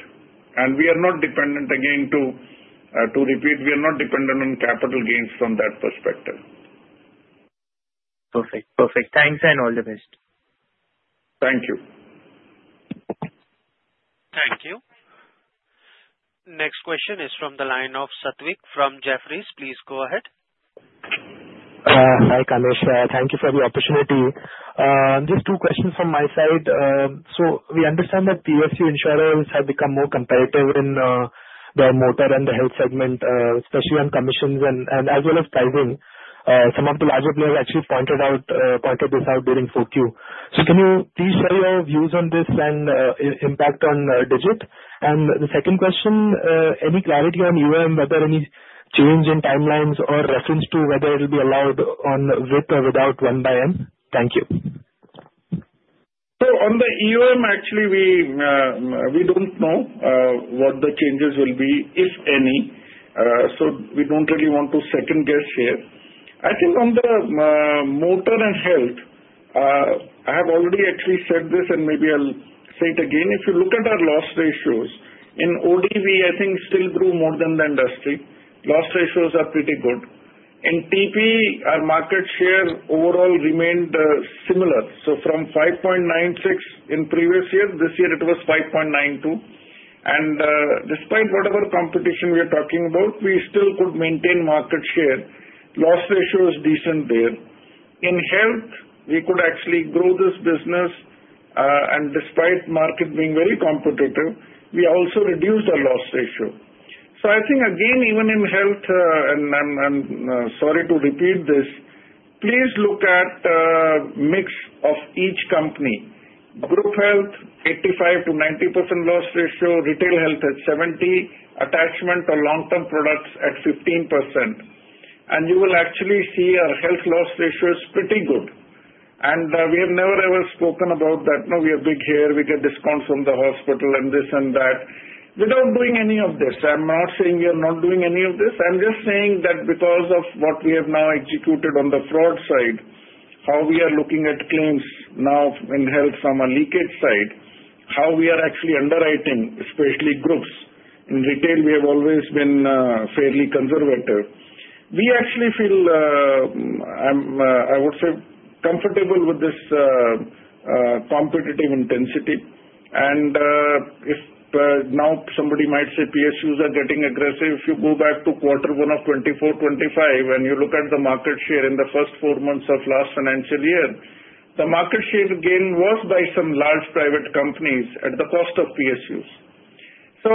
And we are not dependent, again to to repeat, we are not dependent on capital gains from that perspective. Perfect. Perfect. Thanks and all the best. Thank you. Thank you. Next question is from the line of Sadhvik from Jefferies. Please go ahead. Hi Kamesh. Thank you for the opportunity. Just two questions from my side. So we understand that PSU insurers have become more competitive in their motor and the health segment, especially on commissions and as well as pricing. Some of the larger players actually pointed this out during 4Q. So can you please share your views on this and impact on Digit? And the second question, any clarity on EOM, whether any change in timelines or reference to whether it will be allowed with or without 1/N? Thank you. So on the EOM, actually, we don't know what the changes will be, if any. So we don't really want to second-guess here. I think on the motor and health, I have already actually said this, and maybe I'll say it again. If you look at our loss ratios, in OD, we, I think, still grew more than the industry. Loss ratios are pretty good. In TP, our market share overall remained similar. So from 5.96 in previous year, this year it was 5.92. And despite whatever competition we are talking about, we still could maintain market share. Loss ratio is decent there. In health, we could actually grow this business. And despite market being very competitive, we also reduced our loss ratio. So I think, again, even in health, and and I'm sorry to repeat this, please look at the mix of each company. Group health, 85%-90% loss ratio. Retail health at 70%. Attachment or long-term products at 15%, and you will actually see our health loss ratio is pretty good, and we have never ever spoken about that. No, we are big here. We get discounts from the hospital and this and that. Without doing any of this, I'm not saying we are not doing any of this. I'm just saying that because of what we have now executed on the fraud side, how we are looking at claims now in health from a leakage side, how we are actually underwriting, especially groups. In retail, we have always been fairly conservative. We actually feel, I would say, comfortable with this competitive intensity. And if now somebody might say PSUs are getting aggressive, if you go back to quarter one of 24/25 and you look at the market share in the first four months of last financial year, the market share gain was by some large private companies at the cost of PSUs. So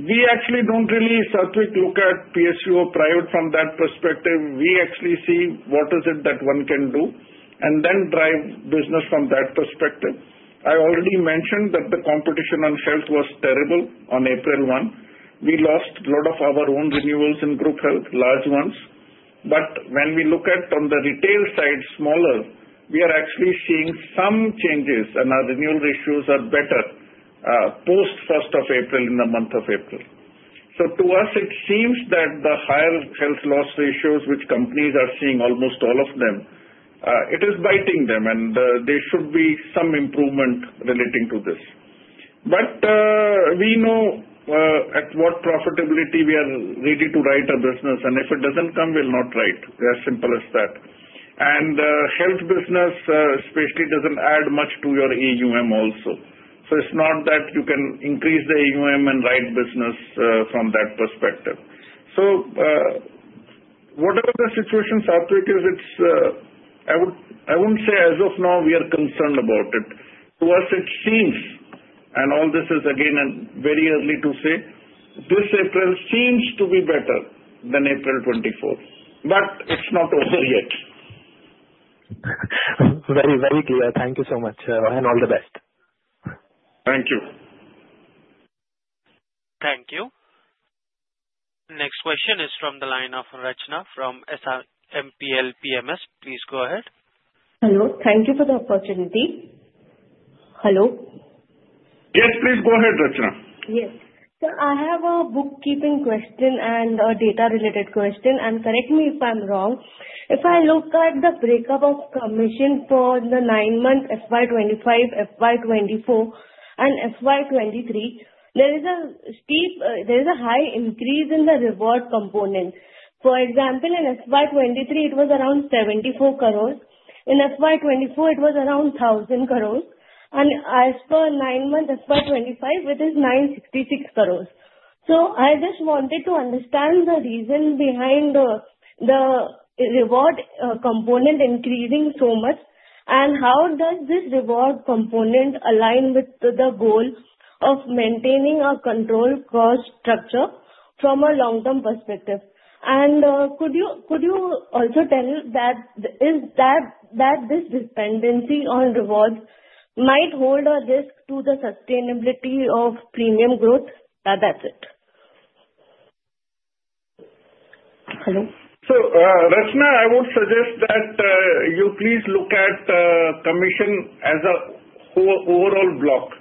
we actually don't really, Sadhvik, look at PSU or private from that perspective. We actually see what is it that one can do and then drive business from that perspective. I already mentioned that the competition on health was terrible on April 1. We lost a lot of our own renewals in group health, large ones. But when we look at on the retail side, smaller, we are actually seeing some changes, and our renewal ratios are better post 1st of April in the month of April. So, to us, it seems that the higher health loss ratios, which companies are seeing, almost all of them, it is biting them, and there should be some improvement relating to this. But we know at what profitability we are ready to write a business. And if it doesn't come, we'll not write. They are simple as that. And health business, especially, doesn't add much to your EOM also. So it's not that you can increase the EOM and write business from that perspective. So whatever the situation, Sadvik is, I wouldn't say as of now, we are concerned about it. To us, it seems, and all this is, again, very early to say, this April seems to be better than April 2024. But it's not over yet. Very, very clear. Thank you so much. And all the best. Thank you. Thank you. Next question is from the line of Rachana from Emkay Global Financial Services. Please go ahead. Hello. Thank you for the opportunity. Hello. Yes, please go ahead, Rachana. Yes. So I have a bookkeeping question and a data-related question. And correct me if I'm wrong. If I look at the breakup of commission for the nine-month FY25, FY24, and FY23, there is a high increase in the reward component. For example, in FY23, it was around 74 crores. In FY24, it was around 1,000 crores. And as per nine-month FY25, it is 966 crores. So I just wanted to understand the reason behind the the reward component increasing so much and how does this reward component align with the goal of maintaining a controlled cost structure from a long-term perspective. And could you, could you also tell us that this dependency on rewards might hold a risk to the sustainability of premium growth? That's it. So Rachana, I would suggest that you please look at commission as a overall block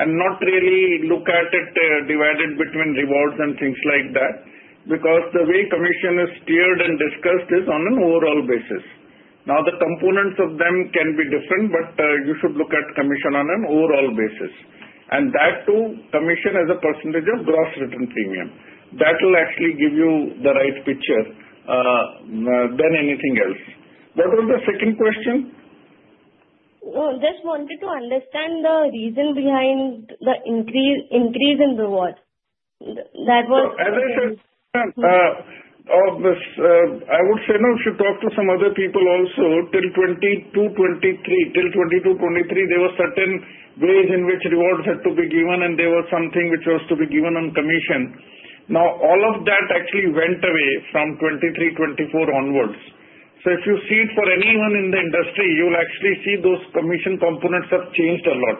and not really look at it divided between rewards and things like that because the way commission is tiered and discussed is on an overall basis. Now, the components of them can be different, but you should look at commission on an overall basis. And that too, commission as a percentage of gross written premium. That will actually give you the right picture than anything else. What was the second question? I just wanted to understand the reason behind the increase in rewards. That was. So as I said, Rachana, I would say no. You should talk to some other people also till 2022/2023. Till 2022/2023, there were certain ways in which rewards had to be given, and there was something which was to be given on commission. Now, all of that actually went away from 2023/2024 onwards. So if you see it for anyone in the industry, you will actually see those commission components have changed a lot.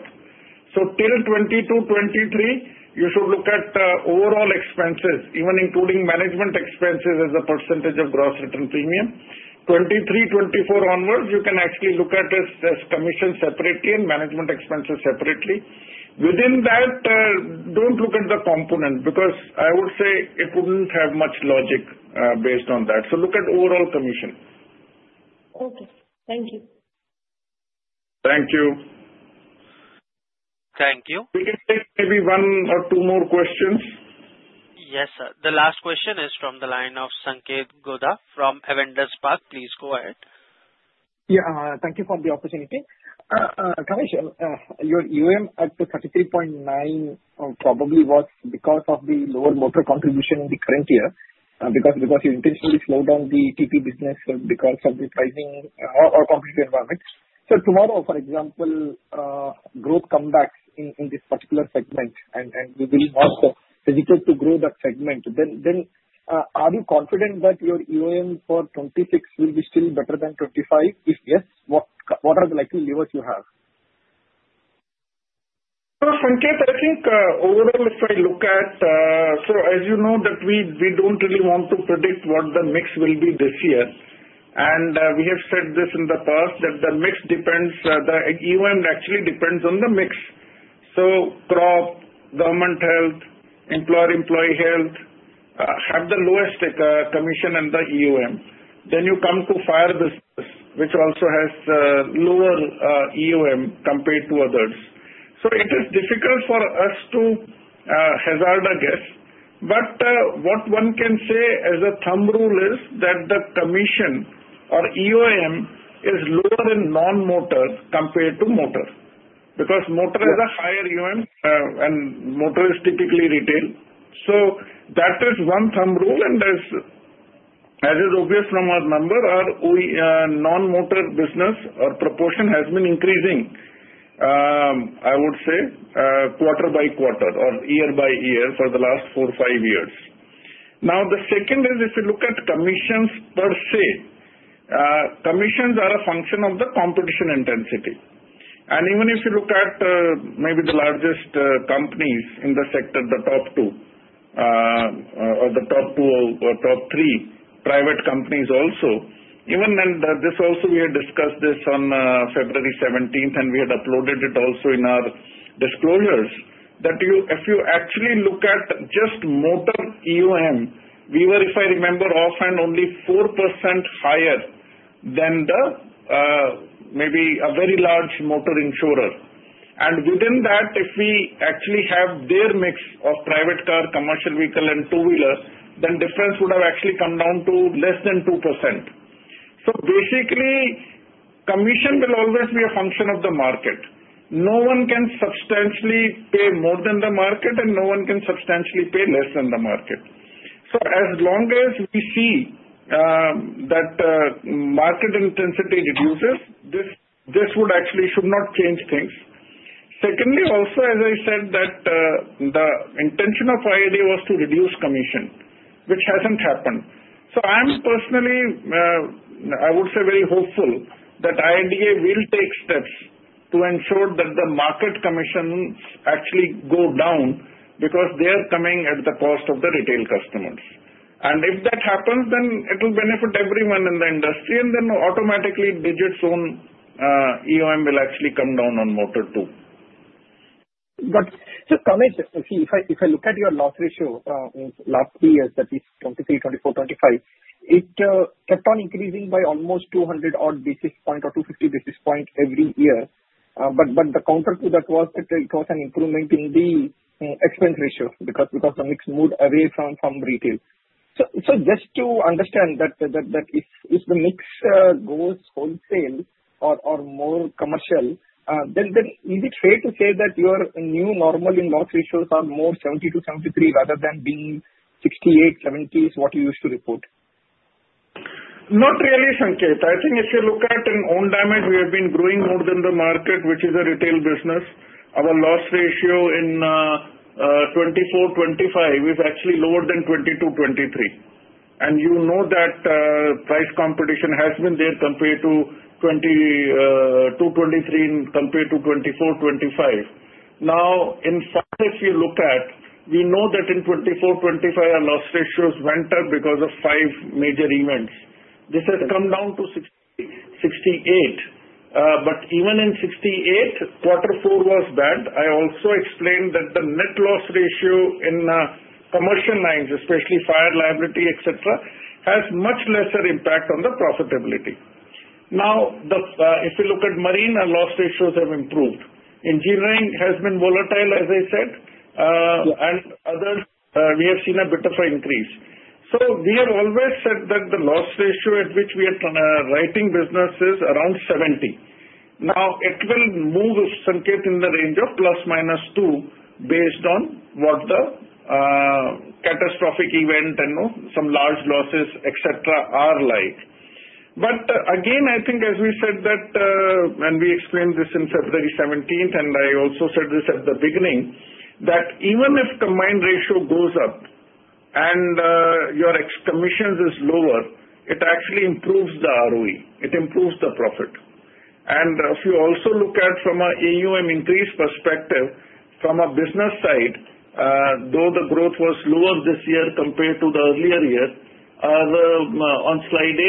So till 2022/2023, you should look at overall expenses, even including management expenses as a percentage of gross written premium. 2023/2024 onwards, you can actually look at it as commission separately and management expenses separately. Within that, don't look at the component because I would say it wouldn't have much logic based on that. So look at overall commission. Okay. Thank you. Thank you. Thank you. We can take maybe one or two more questions. Yes, sir. The last question is from the line of Sanketh Godha from Avendus Spark. Please go ahead. Yeah. Thank you for the opportunity. Kamesh, your EOM at 33.9 probably was because of the lower motor contribution in the current year because you intentionally slowed down the TP business because of the pricing or competitive environment. So tomorrow, for example, growth comes back in this particular segment, and we will want Go Digit to grow that segment. Then are you confident that your EOM for 26 will be still better than 25? If yes, what are the likely levers you have? So Sanketh, I think overall, if I look at, so as you know that we don't really want to predict what the mix will be this year. And we have said this in the past that the mix depends the EOM actually depends on the mix. So crop, government health, employer-employee health have the lowest commission and the EOM. Then you come to fire business, which also has lower EOM compared to others. So it is difficult for us to hazard a guess. But what one can say as a thumb rule is that the commission or EOM is lower in non-motor compared to motor because motor has a higher EOM, and motor is typically retail. So that is one thumb rule. And as is obvious from our number, our non-motor business or proportion has been increasing, I would say, quarter by quarter or year by year for the last four or five years. Now, the second is if you look at commissions per se, commissions are a function of the competition intensity. And even if you look at maybe the largest companies in the sector, the top two or the top two or top three private companies also, even this also we had discussed this on February 17, and we had uploaded it also in our disclosures that if you actually look at just motor EOM, we were, if I remember, off and only 4% higher than maybe a very large motor insurer. And within that, if we actually have their mix of private car, commercial vehicle, and two-wheeler, then difference would have actually come down to less than 2%. So basically, commission will always be a function of the market. No one can substantially pay more than the market, and no one can substantially pay less than the market. So as long as we see that market intensity reduces, this would actually should not change things. Secondly, also, as I said, that the intention of IRDAI was to reduce commission, which hasn't happened. So I'm personally, I would say, very hopeful that IRDAI will take steps to ensure that the market commissions actually go down because they are coming at the cost of the retail customers. And if that happens, then it will benefit everyone in the industry. Then automatically, Digit's own EOM will actually come down on motor too. Got it. So Kamesh, if I look at your loss ratio in the last three years, that is 2023, 2024, 2025, it kept on increasing by almost 200-odd basis points or 250 basis points every year. But the counter to that was that it was an improvement in the expense ratio because the mix moved away from retail. So just to understand that if the mix goes wholesale or more commercial, then is it fair to say that your new normal loss ratios are more 70-73 rather than being 68-70, which is what you used to report? Not really, Sanketh. I think if you look at in own damage, we have been growing more than the market, which is a retail business. Our loss ratio in 24/25 is actually lower than 22/23. And you know that price competition has been there compared to 22/23 and compared to 24/25. Now, in fact, if you look at, we know that in 24/25, our loss ratios went up because of five major events. This has come down to 68%. But even in 68%, quarter four was bad. I also explained that the net loss ratio in commercial lines, especially fire liability, etc., has much lesser impact on the profitability. Now, if you look at marine, our loss ratios have improved. Engineering has been volatile, as I said. And others, we have seen a bit of an increase. So we have always said that the loss ratio at which we are writing business is around 70%. Now, it will move, Sanketh, in the range of plus minus 2 based on what the catastrophic event and some large losses, etc., are like. But again, I think, as we said that, and we explained this in February 17, and I also said this at the beginning, that even if combined ratio goes up and your commissions is lower, it actually improves the ROE. It improves the profit. And if you also look at from an EOM increase perspective, from a business side, though the growth was lower this year compared to the earlier year, on slide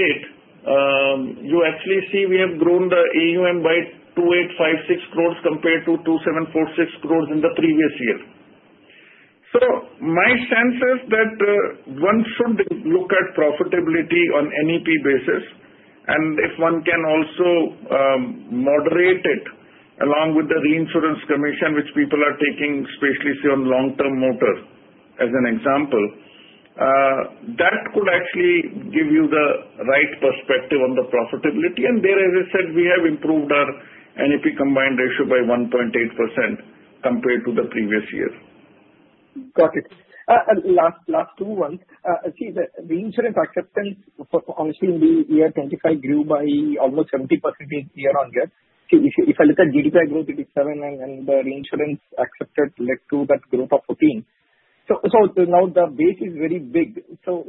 8, you actually see we have grown the EOM by 2,856 crores compared to 2,746 crores in the previous year. So my sense is that one should look at profitability on NEP basis. And if one can also moderate it along with the reinsurance commission, which people are taking, especially on long-term motor as an example, that could actually give you the right perspective on the profitability. There, as I said, we have improved our NEP combined ratio by 1.8% compared to the previous year. Got it. Last two ones. See, the reinsurance acceptance for policy in the year 25 grew by almost 70% year on year. If I look at GDPI growth, it is 7, and the reinsurance acceptance led to that growth of 14. So now the base is very big. So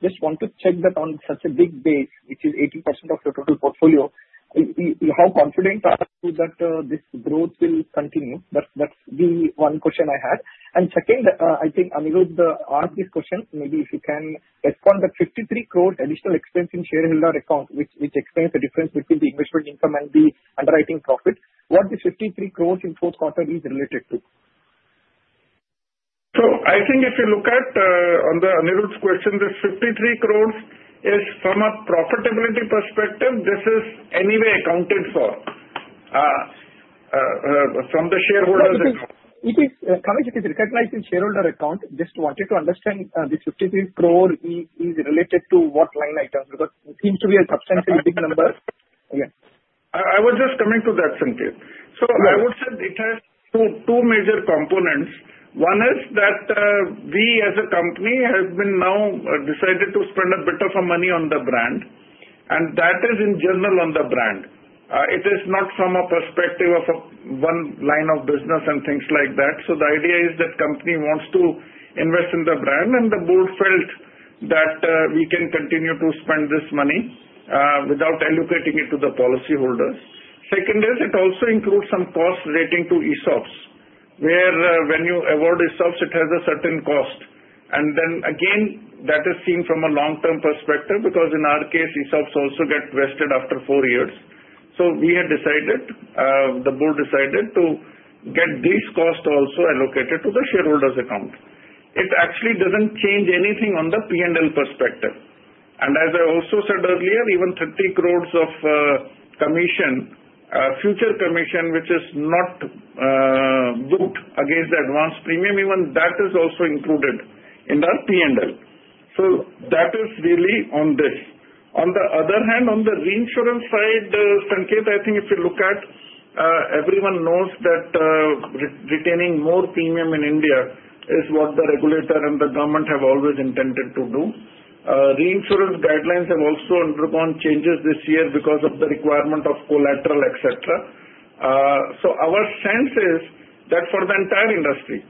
just want to check that on such a big base, which is 80% of the total portfolio, how confident are you that this growth will continue? That's the one question I had. And second, I think Anirudh asked this question. Maybe if you can respond that 53 crores additional expense in shareholder account, which explains the difference between the investment income and the underwriting profit, what the 53 crores in fourth quarter is related to? So I think if you look at, on Anirudh's question, this 53 crores is from a profitability perspective, this is anyway accounted for from the shareholder's account. Kamesh, if it is recognized in shareholder account, just wanted to understand the 53 crores is related to what line items because it seems to be a substantially big number? I was just coming to that, Sanketh. So I would say it has two major components. One is that we, as a company, have now decided to spend a bit of money on the brand. And that is in general on the brand. It is not from a perspective of one line of business and things like that. So the idea is that the company wants to invest in the brand, and the board felt that we can continue to spend this money without allocating it to the policyholders. Second is, it also includes some cost relating to ESOPs, where when you award ESOPs, it has a certain cost. And then again, that is seen from a long-term perspective because in our case, ESOPs also get vested after four years. So we had decided, the board decided to get this cost also allocated to the shareholders' account. It actually doesn't change anything on the P&L perspective. And as I also said earlier, even 30 crores of future commission, which is not booked against the advance premium, even that is also included in our P&L. So that is really on this. On the other hand, on the reinsurance side, Sanketh, I think if you look at, everyone knows that retaining more premium in India is what the regulator and the government have always intended to do. Reinsurance guidelines have also undergone changes this year because of the requirement of collateral, etc. So our sense is that for the entire industry,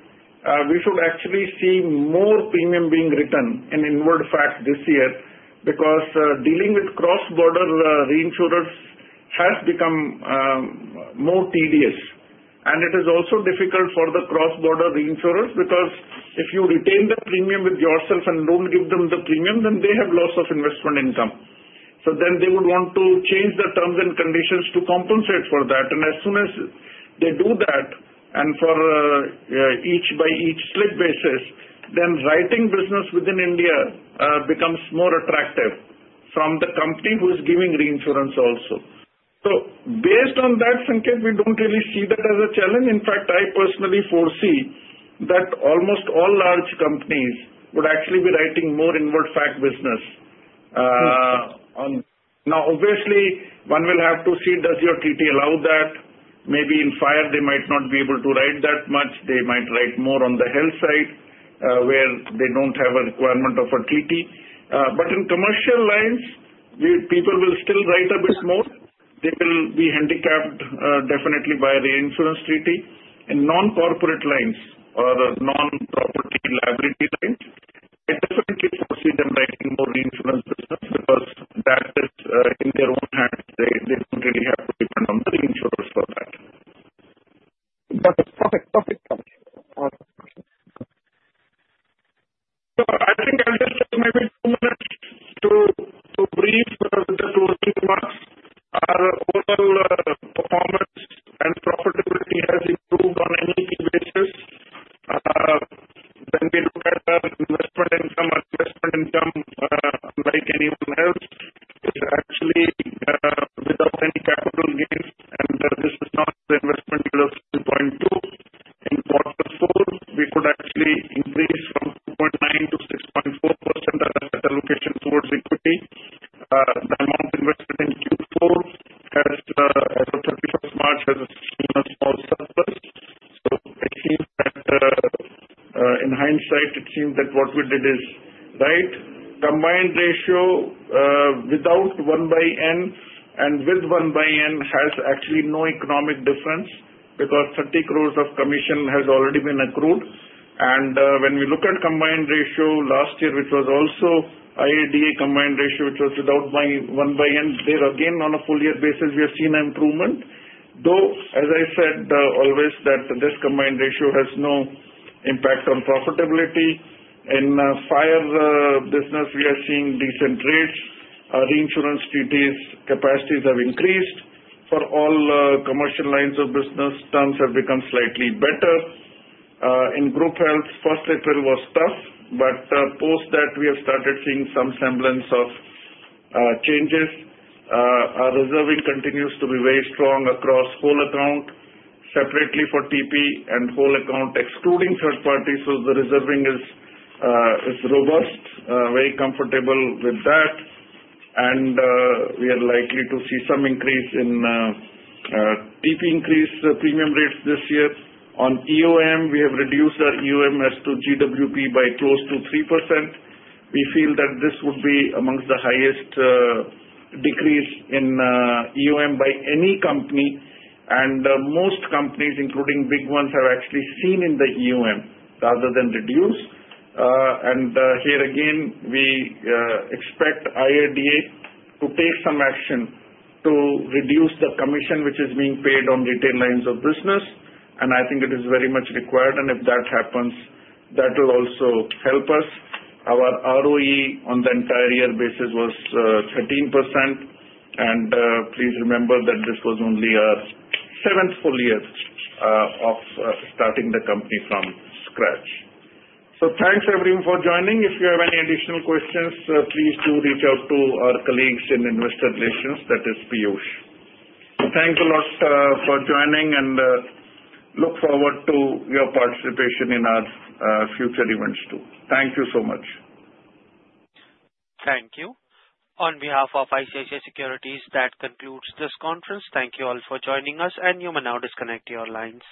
we should actually see more premium being written in inward ceding this year because dealing with cross-border reinsurers has become more tedious. And it is also difficult for the cross-border reinsurers because if you retain the premium with yourself and don't give them the premium, then they have loss of investment income. So then they would want to change the terms and conditions to compensate for that. And as soon as they do that, and by each slip basis, then writing business within India becomes more attractive from the company who is giving reinsurance also. So based on that, Sadvik, we don't really see that as a challenge. In fact, I personally foresee that almost all large companies would actually be writing more inward facultative business. Now, obviously, one will have to see does your treaty allow that. Maybe in fire, they might not be able to write that much. They might write more on the health side, where they don't have a requirement of a treaty. But in commercial lines, people will still write a bit more. They will be handicapped, definitely, by reinsurance treaty. In non-corporate lines or non-property liability lines, I definitely foresee them writing more reinsurance business because that is in their own hands. They don't really have to depend on the reinsurers for that. Got it. Perfect. Perfect. Perfect. So I think I'll just take maybe two minutes to brief the closing remarks. Our overall performance and profitability has improved on any basis. Then we look at investment income or investment income like anyone else, which is actually without any capital gains. And this is not the investment yield of 2.2% in quarter four. We could actually increase from 2.9% to 6.4% at allocation towards equity. The amount invested in Q4 as of 31st March has seen a small surplus. So in hindsight, it seems that what we did is right. Combined ratio without 1/N and with 1/N has actually no economic difference because 30 crores of commission has already been accrued. And when we look at combined ratio last year, which was also IRDAI combined ratio, which was without 1/N, there again, on a full year basis, we have seen an improvement. Though, as I said always, that this combined ratio has no impact on profitability. In fire business, we are seeing decent rates. Reinsurance treaties capacities have increased. For all commercial lines of business, terms have become slightly better. In group health, first April was tough, but post that, we have started seeing some semblance of changes. Our reserving continues to be very strong across whole account, separately for TP and whole account excluding third parties. So the reserving is robust, very comfortable with that. And we are likely to see some increase in TP increase premium rates this year. On EOM, we have reduced our EOM as to GWP by close to 3%. We feel that this would be among the highest decrease in EOM by any company. And most companies, including big ones, have actually seen in the EOM rather than reduce. And here again, we expect IRDAI to take some action to reduce the commission which is being paid on retail lines of business. And I think it is very much required. And if that happens, that will also help us. Our ROE on the entire year basis was 13%. And please remember that this was only our seventh full year of of starting the company from scratch. So thanks everyone for joining. If you have any additional questions, please do reach out to our colleagues in investor relations, that is Piyush. Thanks a lot for joining, and look forward to your participation in our future events too. Thank you so much. Thank you. On behalf of ICICI Securities, that concludes this conference. Thank you all for joining us, and you may now disconnect your lines.